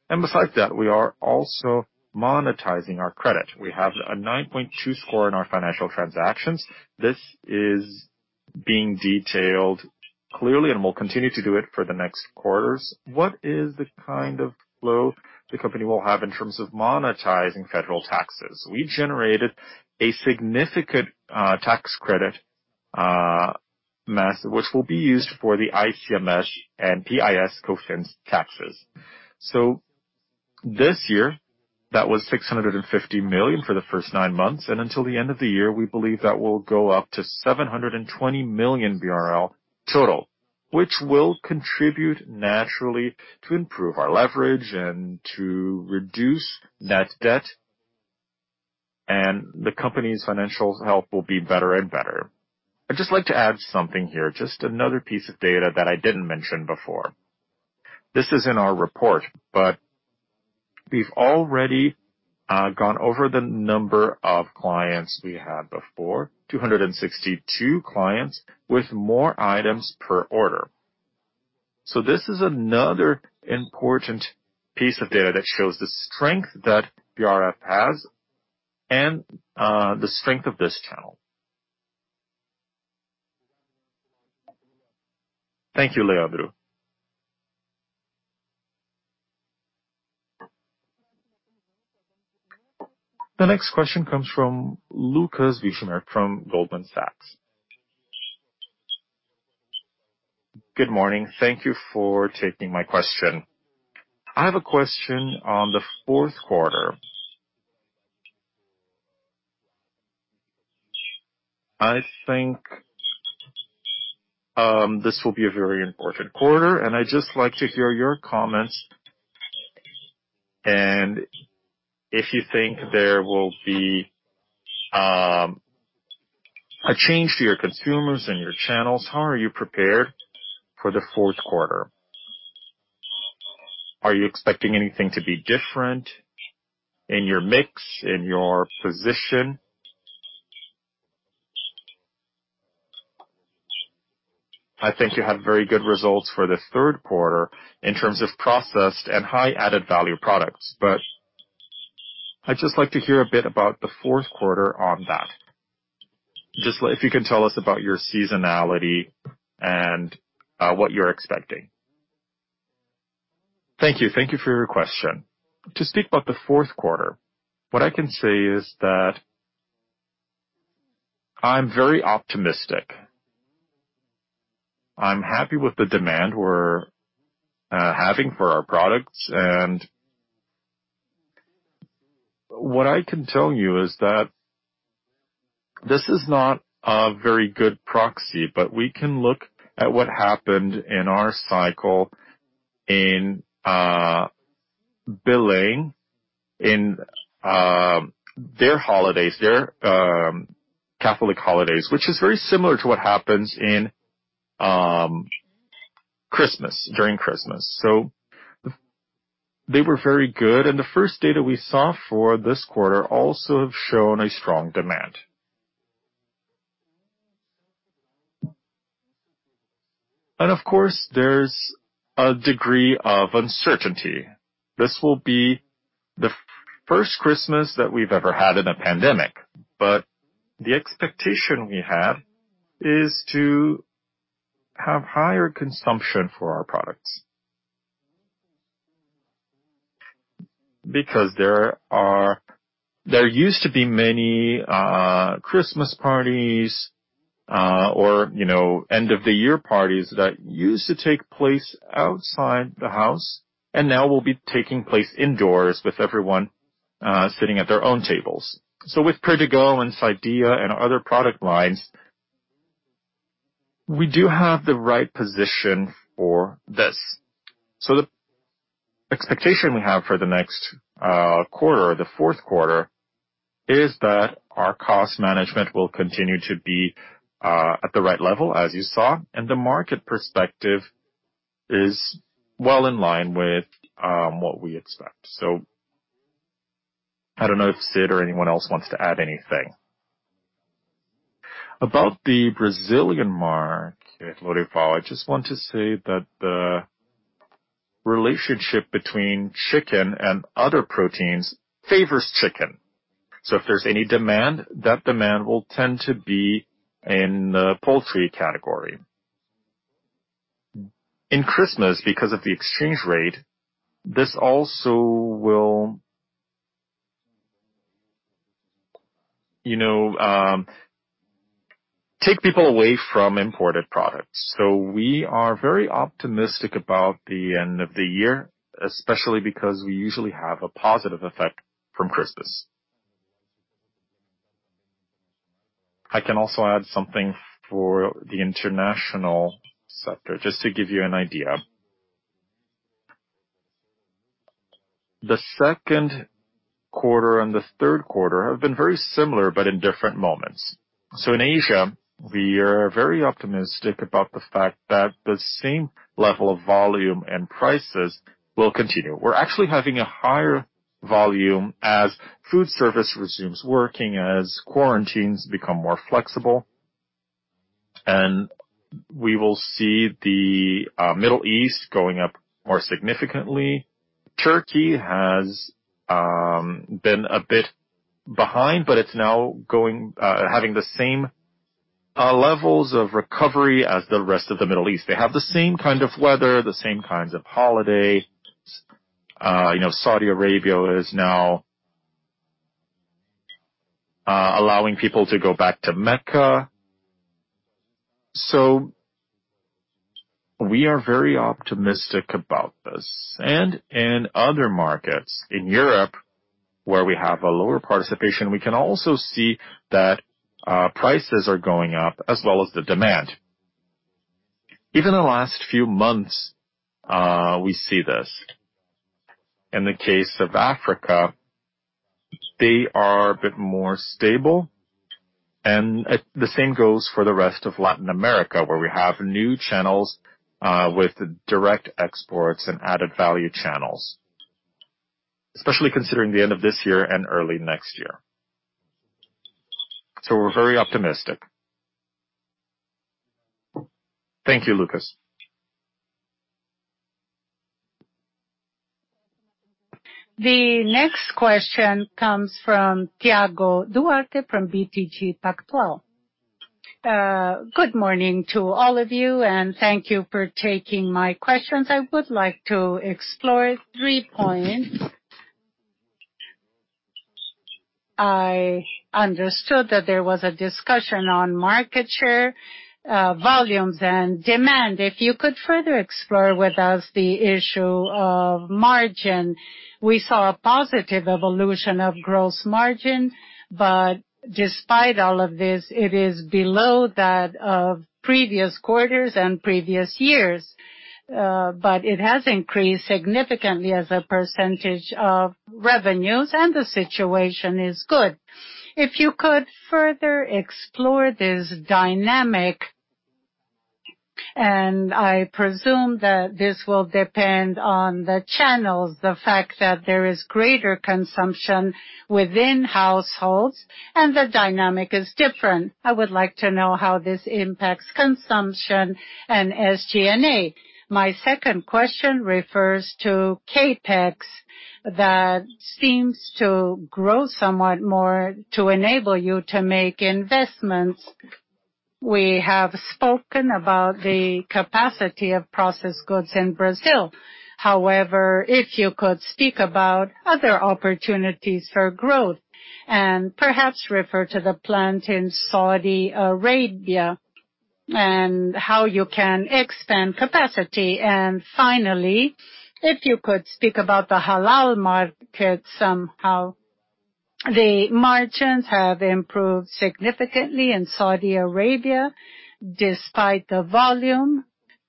Besides that, we are also monetizing our credit. We have a 9.2 score in our financial transactions. This is being detailed clearly. We'll continue to do it for the next quarters. What is the kind of flow the company will have in terms of monetizing federal taxes? We generated a significant tax credit mass, which will be used for the ICMS and PIS/COFINS taxes. This year, that was 650 million for the first nine months. Until the end of the year, we believe that will go up to 720 million BRL total, which will contribute naturally to improve our leverage and to reduce net debt. The company's financial health will be better and better. I'd just like to add something here, just another piece of data that I didn't mention before. This is in our report. We've already gone over the number of clients we had before, 262 clients with more items per order. This is another important piece of data that shows the strength that BRF has and the strength of this channel. Thank you, Leandro. The next question comes from Lucas [AUDIO DISTORTION] from Goldman Sachs. Good morning. Thank you for taking my question. I have a question on the fourth quarter. I think this will be a very important quarter, and I'd just like to hear your comments and if you think there will be a change to your consumers and your channels. How are you prepared for the fourth quarter? Are you expecting anything to be different in your mix, in your position? I think you had very good results for the third quarter in terms of processed and high-added-value products, but I'd just like to hear a bit about the fourth quarter on that. If you can tell us about your seasonality and what you're expecting. Thank you. Thank you for your question. To speak about the fourth quarter, what I can say is that I am very optimistic. I am happy with the demand we are having for our products. What I can tell you is that this is not a very good proxy. We can look at what happened in our cycle in billing in their holidays, their Catholic holidays, which is very similar to what happens during Christmas. They were very good. The first data we saw for this quarter also have shown a strong demand. Of course, there is a degree of uncertainty. This will be the first Christmas that we have ever had in a pandemic. The expectation we have is to have higher consumption for our products. There used to be many Christmas parties or end of the year parties that used to take place outside the house, and now will be taking place indoors with everyone sitting at their own tables. With Perdigão and Sadia, and other product lines, we do have the right position for this. The expectation we have for the next quarter, the fourth quarter, is that our cost management will continue to be at the right level, as you saw, and the market perspective is well in line with what we expect. I don't know if Sid or anyone else wants to add anything. About the Brazilian market, Lorival, I just want to say that the relationship between chicken and other proteins favors chicken. If there's any demand, that demand will tend to be in the poultry category. In Christmas, because of the exchange rate, this also will take people away from imported products. We are very optimistic about the end of the year, especially because we usually have a positive effect from Christmas. I can also add something for the international sector, just to give you an idea. The second quarter and the third quarter have been very similar, but in different moments. In Asia, we are very optimistic about the fact that the same level of volume and prices will continue. We're actually having a higher volume as food service resumes working, as quarantines become more flexible, and we will see the Middle East going up more significantly. Turkey has been a bit behind, but it's now having the same levels of recovery as the rest of the Middle East. They have the same kind of weather, the same kinds of holidays. Saudi Arabia is now allowing people to go back to Mecca. We are very optimistic about this. In other markets, in Europe, where we have a lower participation, we can also see that prices are going up, as well as the demand. Even the last few months, we see this. In the case of Africa, they are a bit more stable, and the same goes for the rest of Latin America, where we have new channels with direct exports and added value channels, especially considering the end of this year and early next year. We're very optimistic. Thank you, Lucas. The next question comes from Thiago Duarte from BTG Pactual. Good morning to all of you. Thank you for taking my questions. I would like to explore three points. I understood that there was a discussion on market share, volumes, and demand. If you could further explore with us the issue of margin. We saw a positive evolution of gross margin. Despite all of this, it is below that of previous quarters and previous years. It has increased significantly as a percentage of revenues, and the situation is good. If you could further explore this dynamic, and I presume that this will depend on the channels, the fact that there is greater consumption within households and the dynamic is different. I would like to know how this impacts consumption and SG&A. My second question refers to CapEx that seems to grow somewhat more to enable you to make investments. We have spoken about the capacity of processed goods in Brazil. If you could speak about other opportunities for growth, and perhaps refer to the plant in Saudi Arabia, and how you can extend capacity. Finally, if you could speak about the halal market somehow. The margins have improved significantly in Saudi Arabia despite the volume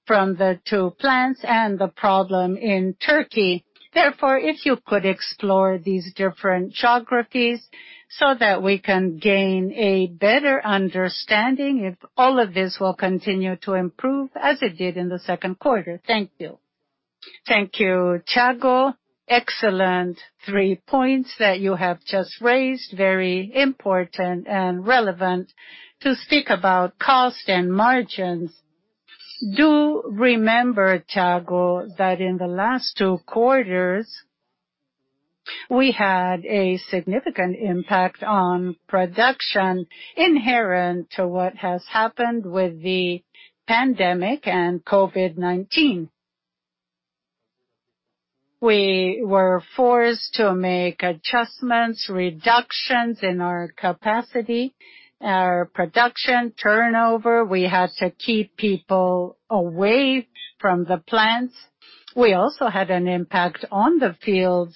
from the two plants and the problem in Turkey. If you could explore these different geographies so that we can gain a better understanding if all of this will continue to improve as it did in the second quarter. Thank you. Thank you, Thiago. Excellent three points that you have just raised. Very important and relevant to speak about cost and margins. Do remember, Thiago, that in the last two quarters, we had a significant impact on production inherent to what has happened with the pandemic and COVID-19. We were forced to make adjustments, reductions in our capacity, our production turnover. We had to keep people away from the plants. We also had an impact on the fields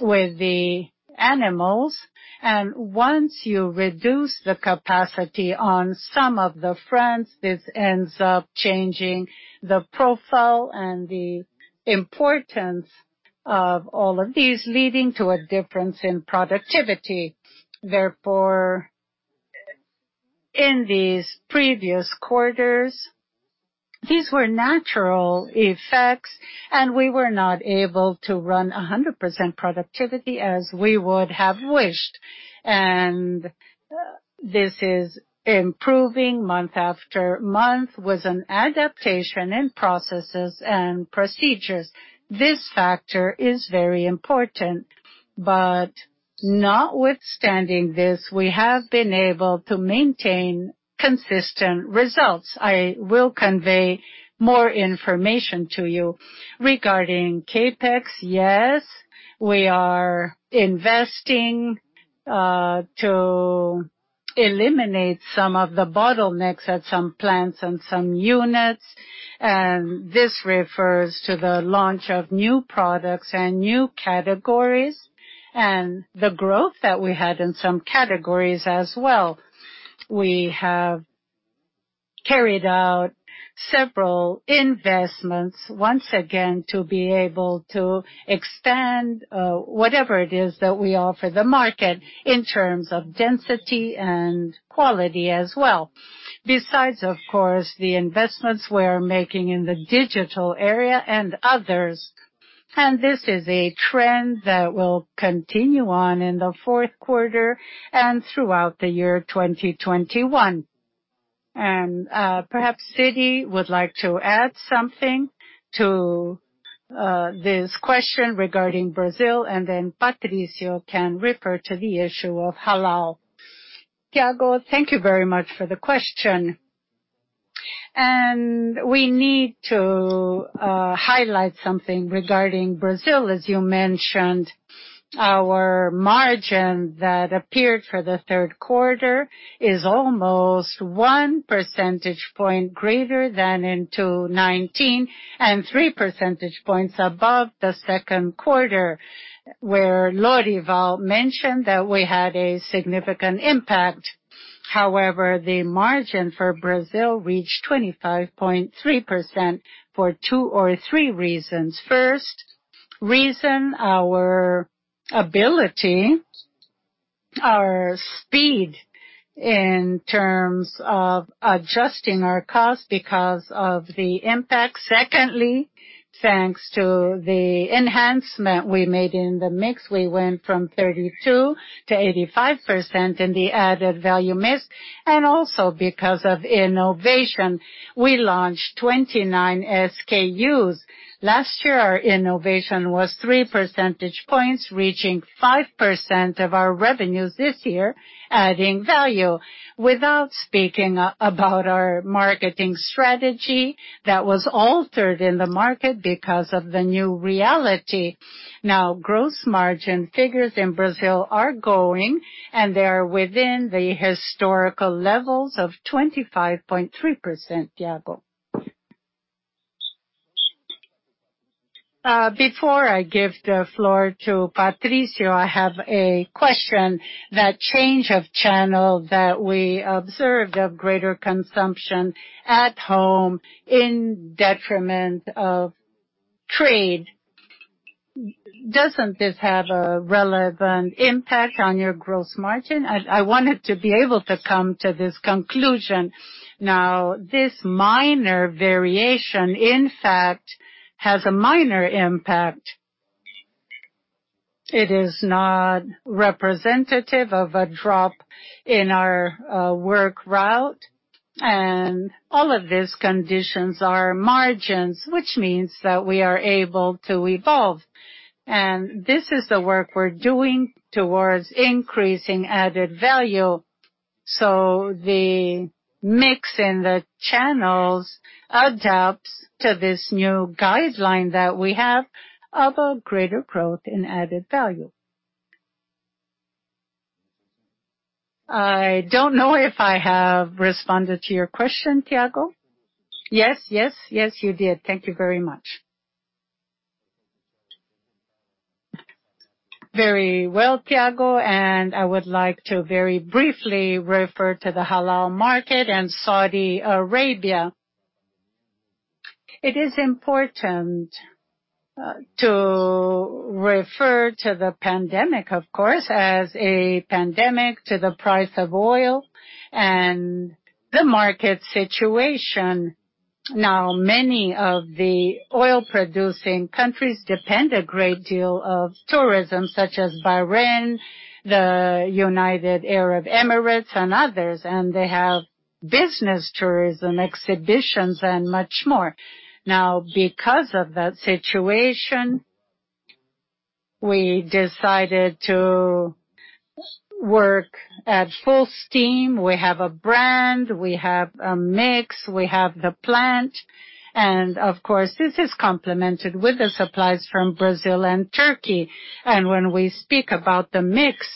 with the animals, and once you reduce the capacity on some of the fronts, this ends up changing the profile and the importance of all of these, leading to a difference in productivity. Therefore, in these previous quarters. These were natural effects, and we were not able to run 100% productivity as we would have wished. This is improving month after month with an adaptation in processes and procedures. This factor is very important, but notwithstanding this, we have been able to maintain consistent results. I will convey more information to you regarding CapEx. Yes, we are investing to eliminate some of the bottlenecks at some plants and some units. This refers to the launch of new products and new categories, the growth that we had in some categories as well. We have carried out several investments once again to be able to expand whatever it is that we offer the market in terms of density and quality as well. Besides, of course, the investments we're making in the digital area and others. This is a trend that will continue on in the fourth quarter and throughout the year 2021. Perhaps Sid would like to add something to this question regarding Brazil, then Patricio can refer to the issue of halal. Thiago, thank you very much for the question. We need to highlight something regarding Brazil. As you mentioned, our margin that appeared for the third quarter is almost one percentage point greater than in 2019 and three percentage points above the second quarter, where Lorival mentioned that we had a significant impact. However, the margin for Brazil reached 25.3% for two or three reasons. First reason, our ability, our speed in terms of adjusting our cost because of the impact. Secondly, thanks to the enhancement we made in the mix, we went from 32% to 85% in the added value mix. Also, because of innovation, we launched 29 SKUs. Last year, our innovation was three percentage points, reaching 5% of our revenues this year, adding value. Without speaking about our marketing strategy that was altered in the market because of the new reality. Now gross margin figures in Brazil are growing, and they are within the historical levels of 25.3%, Thiago. Before I give the floor to Patricio, I have a question. That change of channel that we observed of greater consumption at home in detriment of trade, doesn't this have a relevant impact on your gross margin? I wanted to be able to come to this conclusion. This minor variation, in fact, has a minor impact. It is not representative of a drop in our work route. All of these conditions are margins, which means that we are able to evolve. This is the work we're doing towards increasing added value. The mix in the channels adapts to this new guideline that we have of a greater growth in added value. I don't know if I have responded to your question, Thiago. Yes, you did. Thank you very much. Very well, Thiago, I would like to very briefly refer to the Halal market in Saudi Arabia. It is important to refer to the pandemic, of course, as a pandemic, to the price of oil and the market situation. Many of the oil-producing countries depend a great deal of tourism, such as Bahrain, the United Arab Emirates, and others, and they have business tourism, exhibitions, and much more. Because of that situation, we decided to work at full steam. We have a brand, we have a mix, we have the plant, and of course, this is complemented with the supplies from Brazil and Turkey. When we speak about the mix,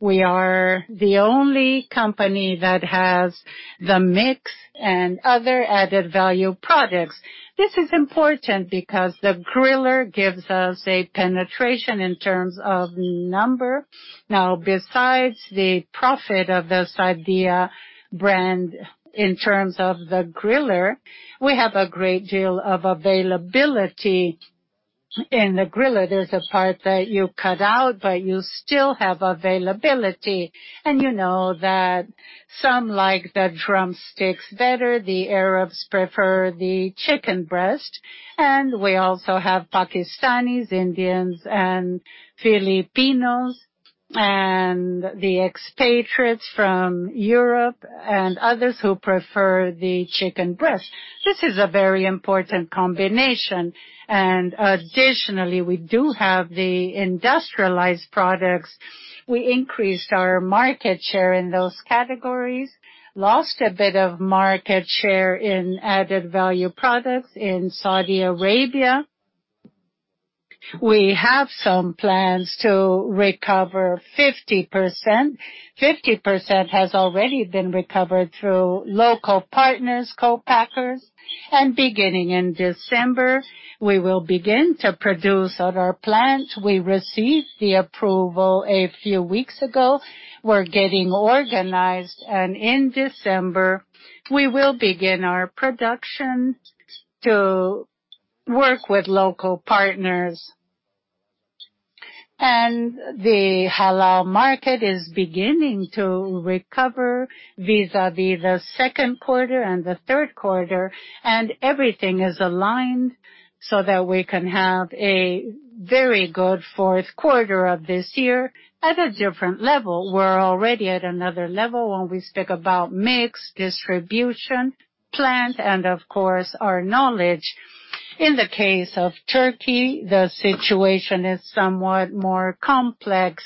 we are the only company that has the mix and other added-value products. This is important because the griller gives us a penetration in terms of number. Besides the profit of the Sadia brand in terms of the griller, we have a great deal of availability. In the grill, there's a part that you cut out, but you still have availability. You know that some like the drumsticks better, the Arabs prefer the chicken breast, and we also have Pakistanis, Indians, and Filipinos, and the expatriates from Europe and others who prefer the chicken breast. This is a very important combination. Additionally, we do have the industrialized products. We increased our market share in those categories, lost a bit of market share in added-value products in Saudi Arabia. We have some plans to recover 50%. 50% has already been recovered through local partners, co-packers, and beginning in December, we will begin to produce at our plant. We received the approval a few weeks ago. We're getting organized, and in December, we will begin our production to work with local partners. The halal market is beginning to recover vis-à-vis the second quarter and the third quarter, and everything is aligned so that we can have a very good fourth quarter of this year at a different level. We're already at another level when we speak about mix, distribution, plant, and of course, our knowledge. In the case of Turkey, the situation is somewhat more complex.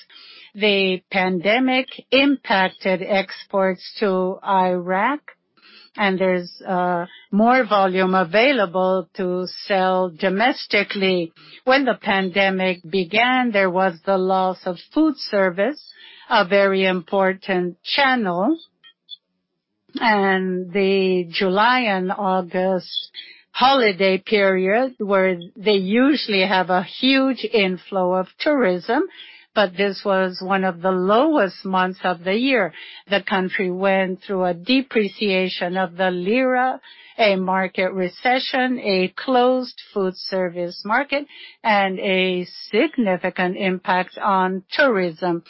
The pandemic impacted exports to Iraq, and there's more volume available to sell domestically. When the pandemic began, there was the loss of food service, a very important channel. The July and August holiday period, where they usually have a huge inflow of tourism, but this was one of the lowest months of the year. The country went through a depreciation of the lira, a market recession, a closed food service market, and a significant impact on tourism.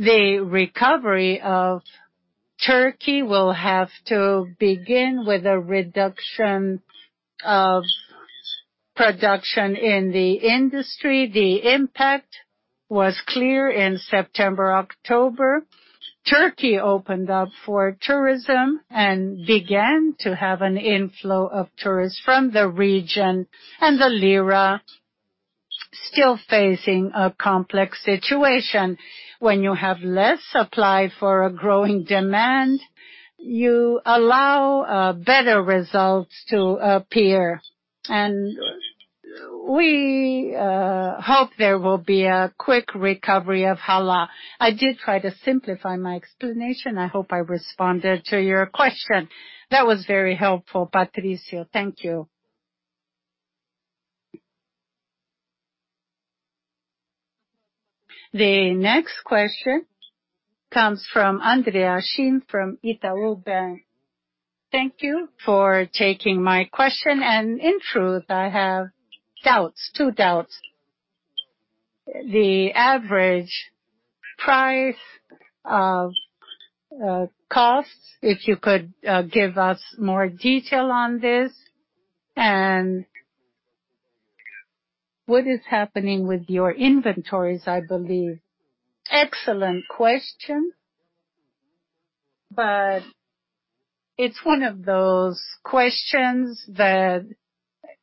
The recovery of Turkey will have to begin with a reduction of production in the industry. The impact was clear in September, October. Turkey opened up for tourism and began to have an inflow of tourists from the region, and the lira still facing a complex situation. When you have less supply for a growing demand, you allow better results to appear. We hope there will be a quick recovery of halal. I did try to simplify my explanation. I hope I responded to your question. That was very helpful, Patricio. Thank you. The next question comes from Andre Hachem from Itaú Bank. Thank you for taking my question. In truth, I have doubts, two doubts. The average price of costs, if you could give us more detail on this. What is happening with your inventories, I believe. Excellent question, it's one of those questions that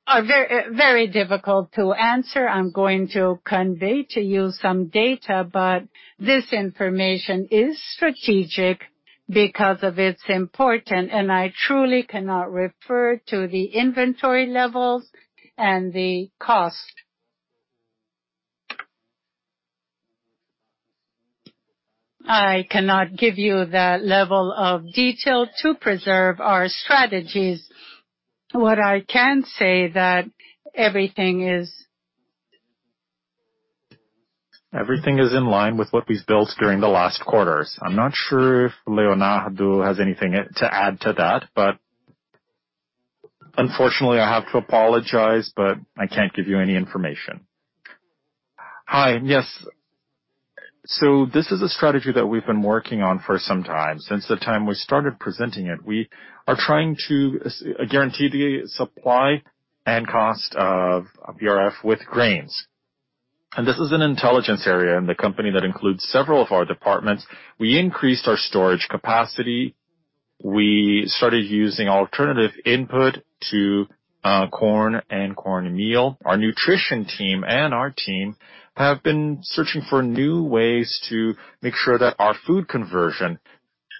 are very difficult to answer. I'm going to convey to you some data, this information is strategic because of its importance. I truly cannot refer to the inventory levels and the cost. I cannot give you that level of detail to preserve our strategies. Everything is in line with what we've built during the last quarters. I'm not sure if Leonardo has anything to add to that, but unfortunately, I have to apologize, but I can't give you any information. Hi. Yes. This is a strategy that we've been working on for some time, since the time we started presenting it. We are trying to guarantee the supply and cost of BRF with grains. This is an intelligence area in the company that includes several of our departments. We increased our storage capacity. We started using alternative input to corn and corn meal. Our nutrition team and our team have been searching for new ways to make sure that our food conversion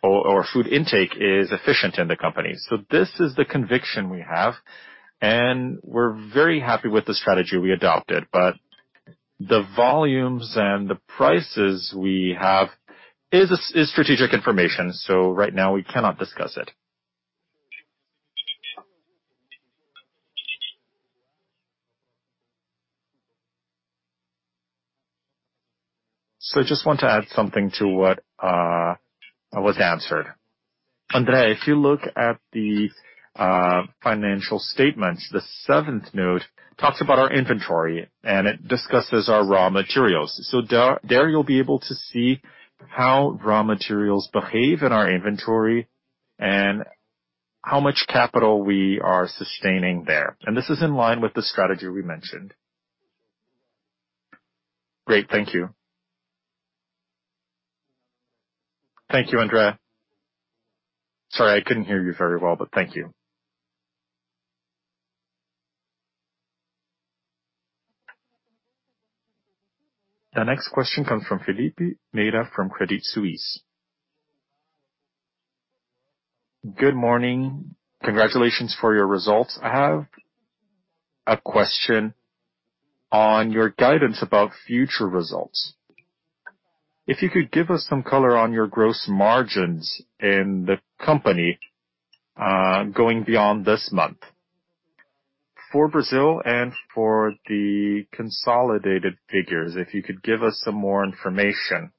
or food intake is efficient in the company. This is the conviction we have, and we're very happy with the strategy we adopted. The volumes and the prices we have is strategic information, so right now we cannot discuss it. I just want to add something to what was answered. Andre, if you look at the financial statements, the seventh note talks about our inventory, and it discusses our raw materials. There, you'll be able to see how raw materials behave in our inventory and how much capital we are sustaining there. This is in line with the strategy we mentioned. Great. Thank you. Thank you, Andre. Sorry, I couldn't hear you very well. Thank you. The next question comes from Felipe Vieira from Credit Suisse. Good morning. Congratulations for your results. I have a question on your guidance about future results. If you could give us some color on your gross margins in the company, going beyond this month. For Brazil and for the consolidated figures, if you could give us some more information?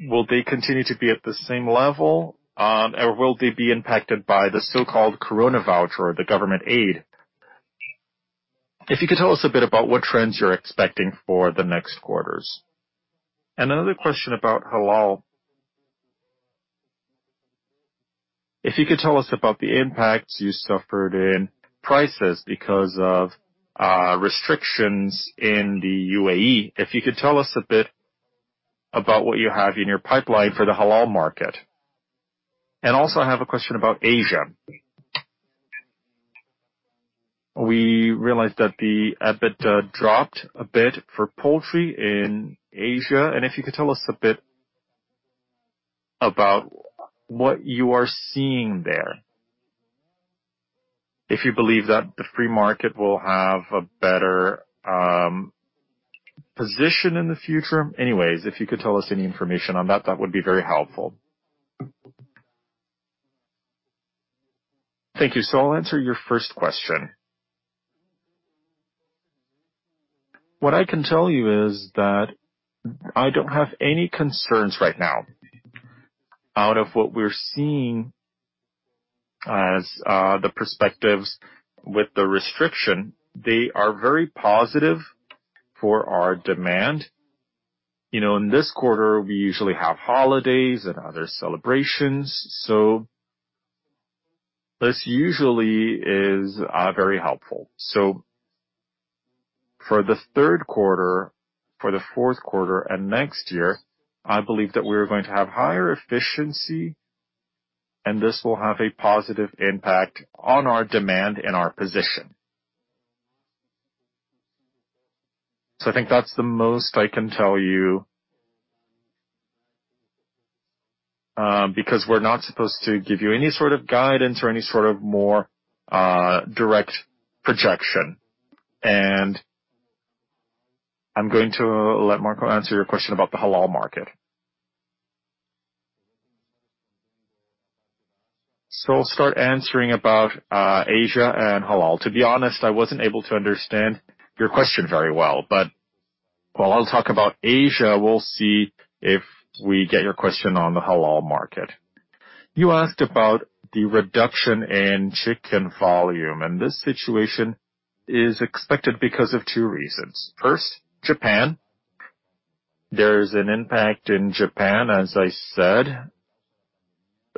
Will they continue to be at the same level? Will they be impacted by the so-called corona voucher or the government aid? If you could tell us a bit about what trends you're expecting for the next quarters. Another question about halal. If you could tell us about the impacts you suffered in prices because of restrictions in the UAE. If you could tell us a bit about what you have in your pipeline for the halal market. Also, I have a question about Asia. We realized that the EBIT dropped a bit for poultry in Asia, and if you could tell us a bit about what you are seeing there. If you believe that the free market will have a better position in the future. Anyways, if you could tell us any information on that would be very helpful. Thank you. I'll answer your first question. What I can tell you is that I don't have any concerns right now. Out of what we are seeing as the perspectives with the restriction, they are very positive for our demand. In this quarter, we usually have holidays and other celebrations. This usually is very helpful. For the third quarter, for the fourth quarter, and next year, I believe that we are going to have higher efficiency, and this will have a positive impact on our demand and our position. I think that's the most I can tell you because we are not supposed to give you any sort of guidance or any sort of more direct projection. I am going to let Marcos answer your question about the halal market. I'll start answering about Asia and halal. To be honest, I wasn't able to understand your question very well. While I'll talk about Asia, we'll see if we get your question on the halal market. You asked about the reduction in chicken volume, and this situation is expected because of two reasons. First, Japan. There's an impact in Japan, as I said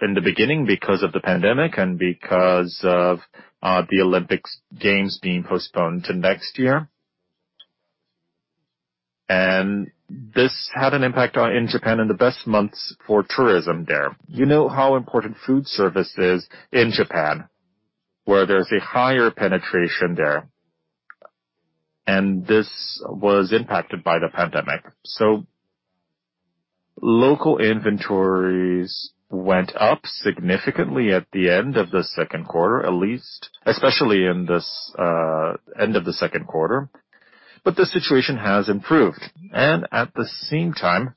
in the beginning, because of the pandemic and because of the Olympic Games being postponed to next year. This had an impact in Japan in the best months for tourism there. You know how important food service is in Japan, where there's a higher penetration there. This was impacted by the pandemic. Local inventories went up significantly at the end of the second quarter, at least, especially in this end of the second quarter. The situation has improved. At the same time,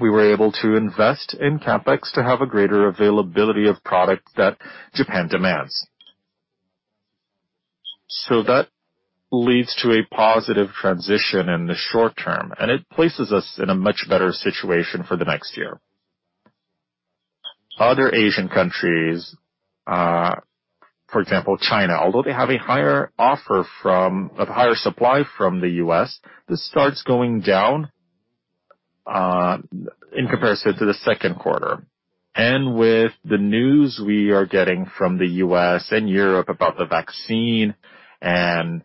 we were able to invest in CapEx to have a greater availability of product that Japan demands. That leads to a positive transition in the short term, and it places us in a much better situation for the next year. Other Asian countries, for example, China, although they have a higher supply from the U.S., this starts going down in comparison to the second quarter. With the news we are getting from the U.S. and Europe about the vaccine, and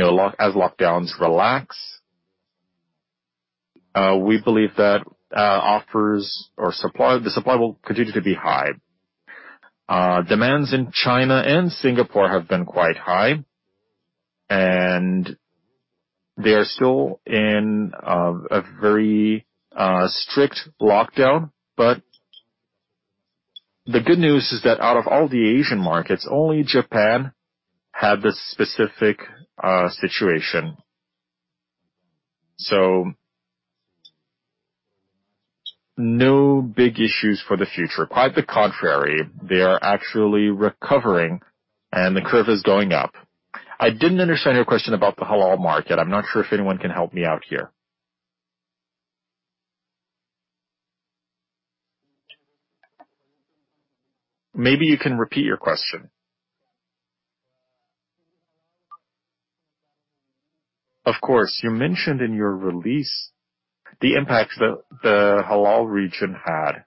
as lockdowns relax, we believe that the supply will continue to be high. Demands in China and Singapore have been quite high, and they are still in a very strict lockdown. The good news is that out of all the Asian markets, only Japan had this specific situation. No big issues for the future. Quite the contrary, they are actually recovering, and the curve is going up. I didn't understand your question about the halal market. I'm not sure if anyone can help me out here. Maybe you can repeat your question. Of course. You mentioned in your release the impact the halal region had.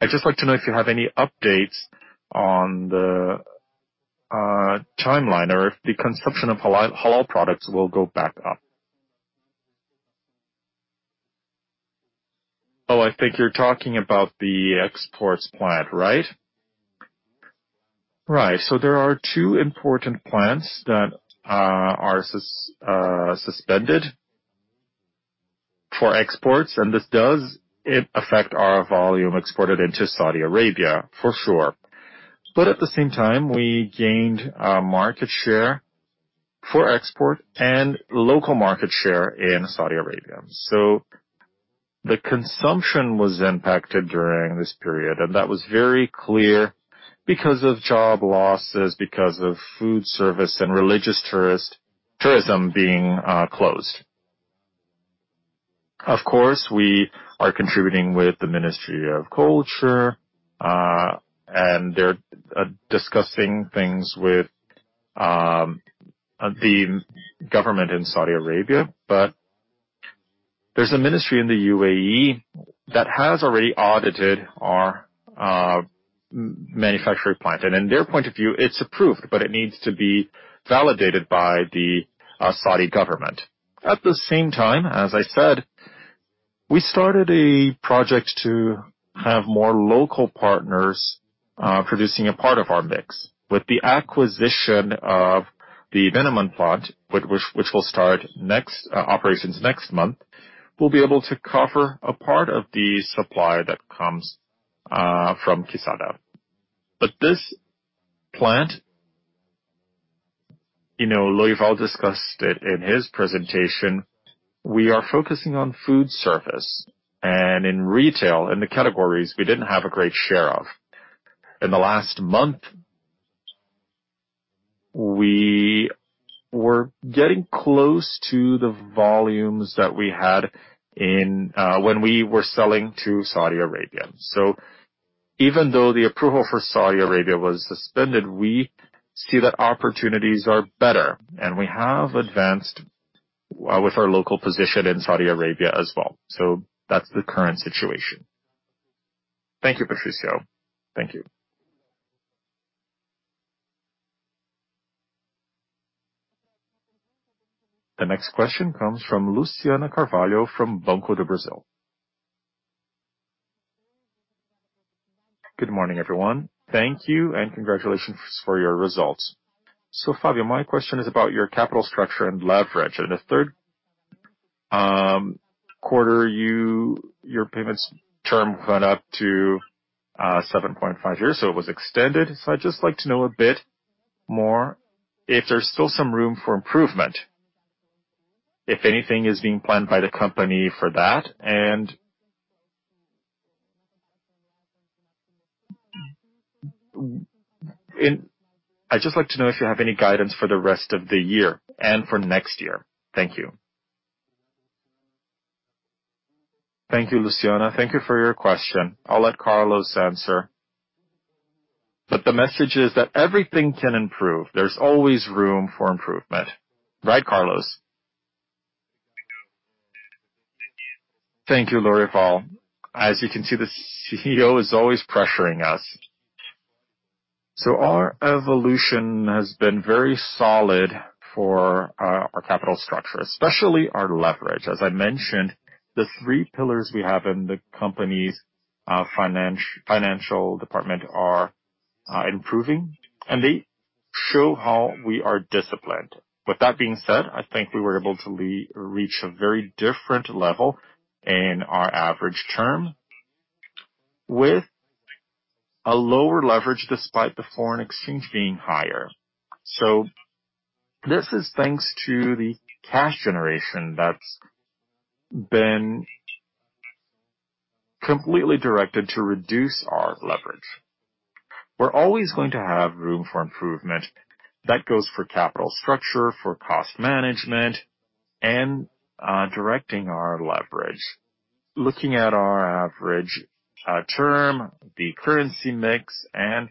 I'd just like to know if you have any updates on the timeline or if the consumption of halal products will go back up. I think you're talking about the exports plant, right? Right. There are two important plants that are suspended for exports, and this does affect our volume exported into Saudi Arabia for sure. At the same time, we gained a market share for export and local market share in Saudi Arabia. The consumption was impacted during this period, and that was very clear because of job losses, because of food service and religious tourism being closed. Of course, we are contributing with the Ministry of Culture; they're discussing things with the government in Saudi Arabia. There's a ministry in the UAE that has already audited our manufacturing plant. In their point of view, it's approved, but it needs to be validated by the Saudi government. At the same time, as I said, we started a project to have more local partners producing a part of our mix. With the acquisition of the Venamon plant, which will start operations next month, we'll be able to cover a part of the supply that comes from Kizad. This plant, Lorival, discussed it in his presentation. We are focusing on food service and in retail in the categories we didn't have a great share of. In the last month, we were getting close to the volumes that we had when we were selling to Saudi Arabia. Even though the approval for Saudi Arabia was suspended, we see that opportunities are better, and we have advanced with our local position in Saudi Arabia as well. That's the current situation. Thank you, Patricio. Thank you. The next question comes from Luciana Carvalho from Banco do Brasil. Good morning, everyone. Thank you and congratulations for your results. Fabio, my question is about your capital structure and leverage. In the third quarter, your payments term went up to 7.5 years; it was extended. I'd just like to know a bit more if there's still some room for improvement, if anything is being planned by the company for that. I'd just like to know if you have any guidance for the rest of the year and for next year. Thank you. Thank you, Luciana. Thank you for your question. I'll let Carlos answer. The message is that everything can improve. There's always room for improvement. Right, Carlos? Thank you, Lorival. As you can see, the CEO is always pressuring us. Our evolution has been very solid for our capital structure, especially our leverage. As I mentioned, the three pillars we have in the company's financial department are improving. They show how we are disciplined. With that being said, I think we were able to reach a very different level in our average term with a lower leverage despite the foreign exchange being higher. This is thanks to the cash generation that's been completely directed to reduce our leverage. We're always going to have room for improvement. That goes for capital structure, for cost management, and directing our leverage. Looking at our average term, the currency mix and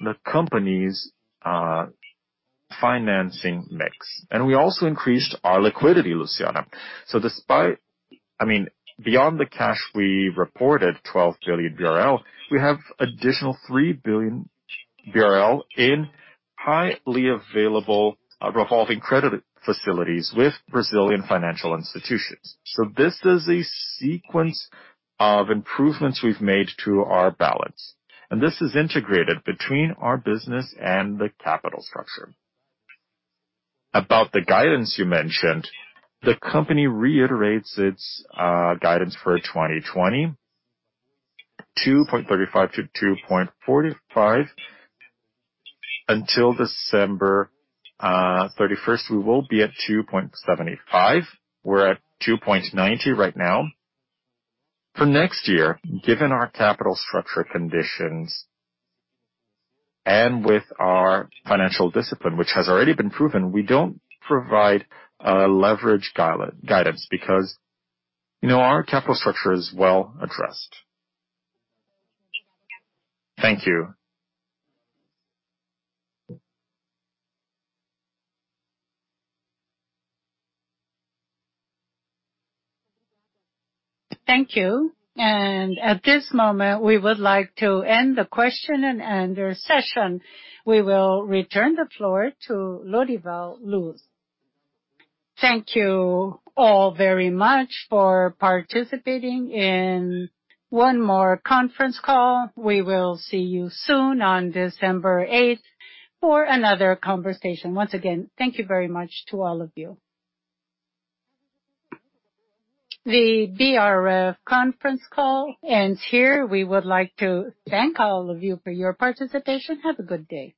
the company's financing mix. We also increased our liquidity, Luciana. I mean, beyond the cash we reported, 12 billion BRL, we have additional 3 billion BRL in highly available revolving credit facilities with Brazilian financial institutions. This is a sequence of improvements we've made to our balance, and this is integrated between our business and the capital structure. About the guidance you mentioned, the company reiterates its guidance for 2020, 2.35-2.45. Until December 31st, we will be at 2.75. We're at 2.90 right now. For next year, given our capital structure conditions and with our financial discipline, which has already been proven, we don't provide leverage guidance because our capital structure is well addressed. Thank you. Thank you. At this moment, we would like to end the question and end our session. We will return the floor to Lorival Luz. Thank you all very much for participating in one more conference call. We will see you soon on December 8th for another conversation. Once again, thank you very much to all of you. The BRF conference call ends here. We would like to thank all of you for your participation. Have a good day.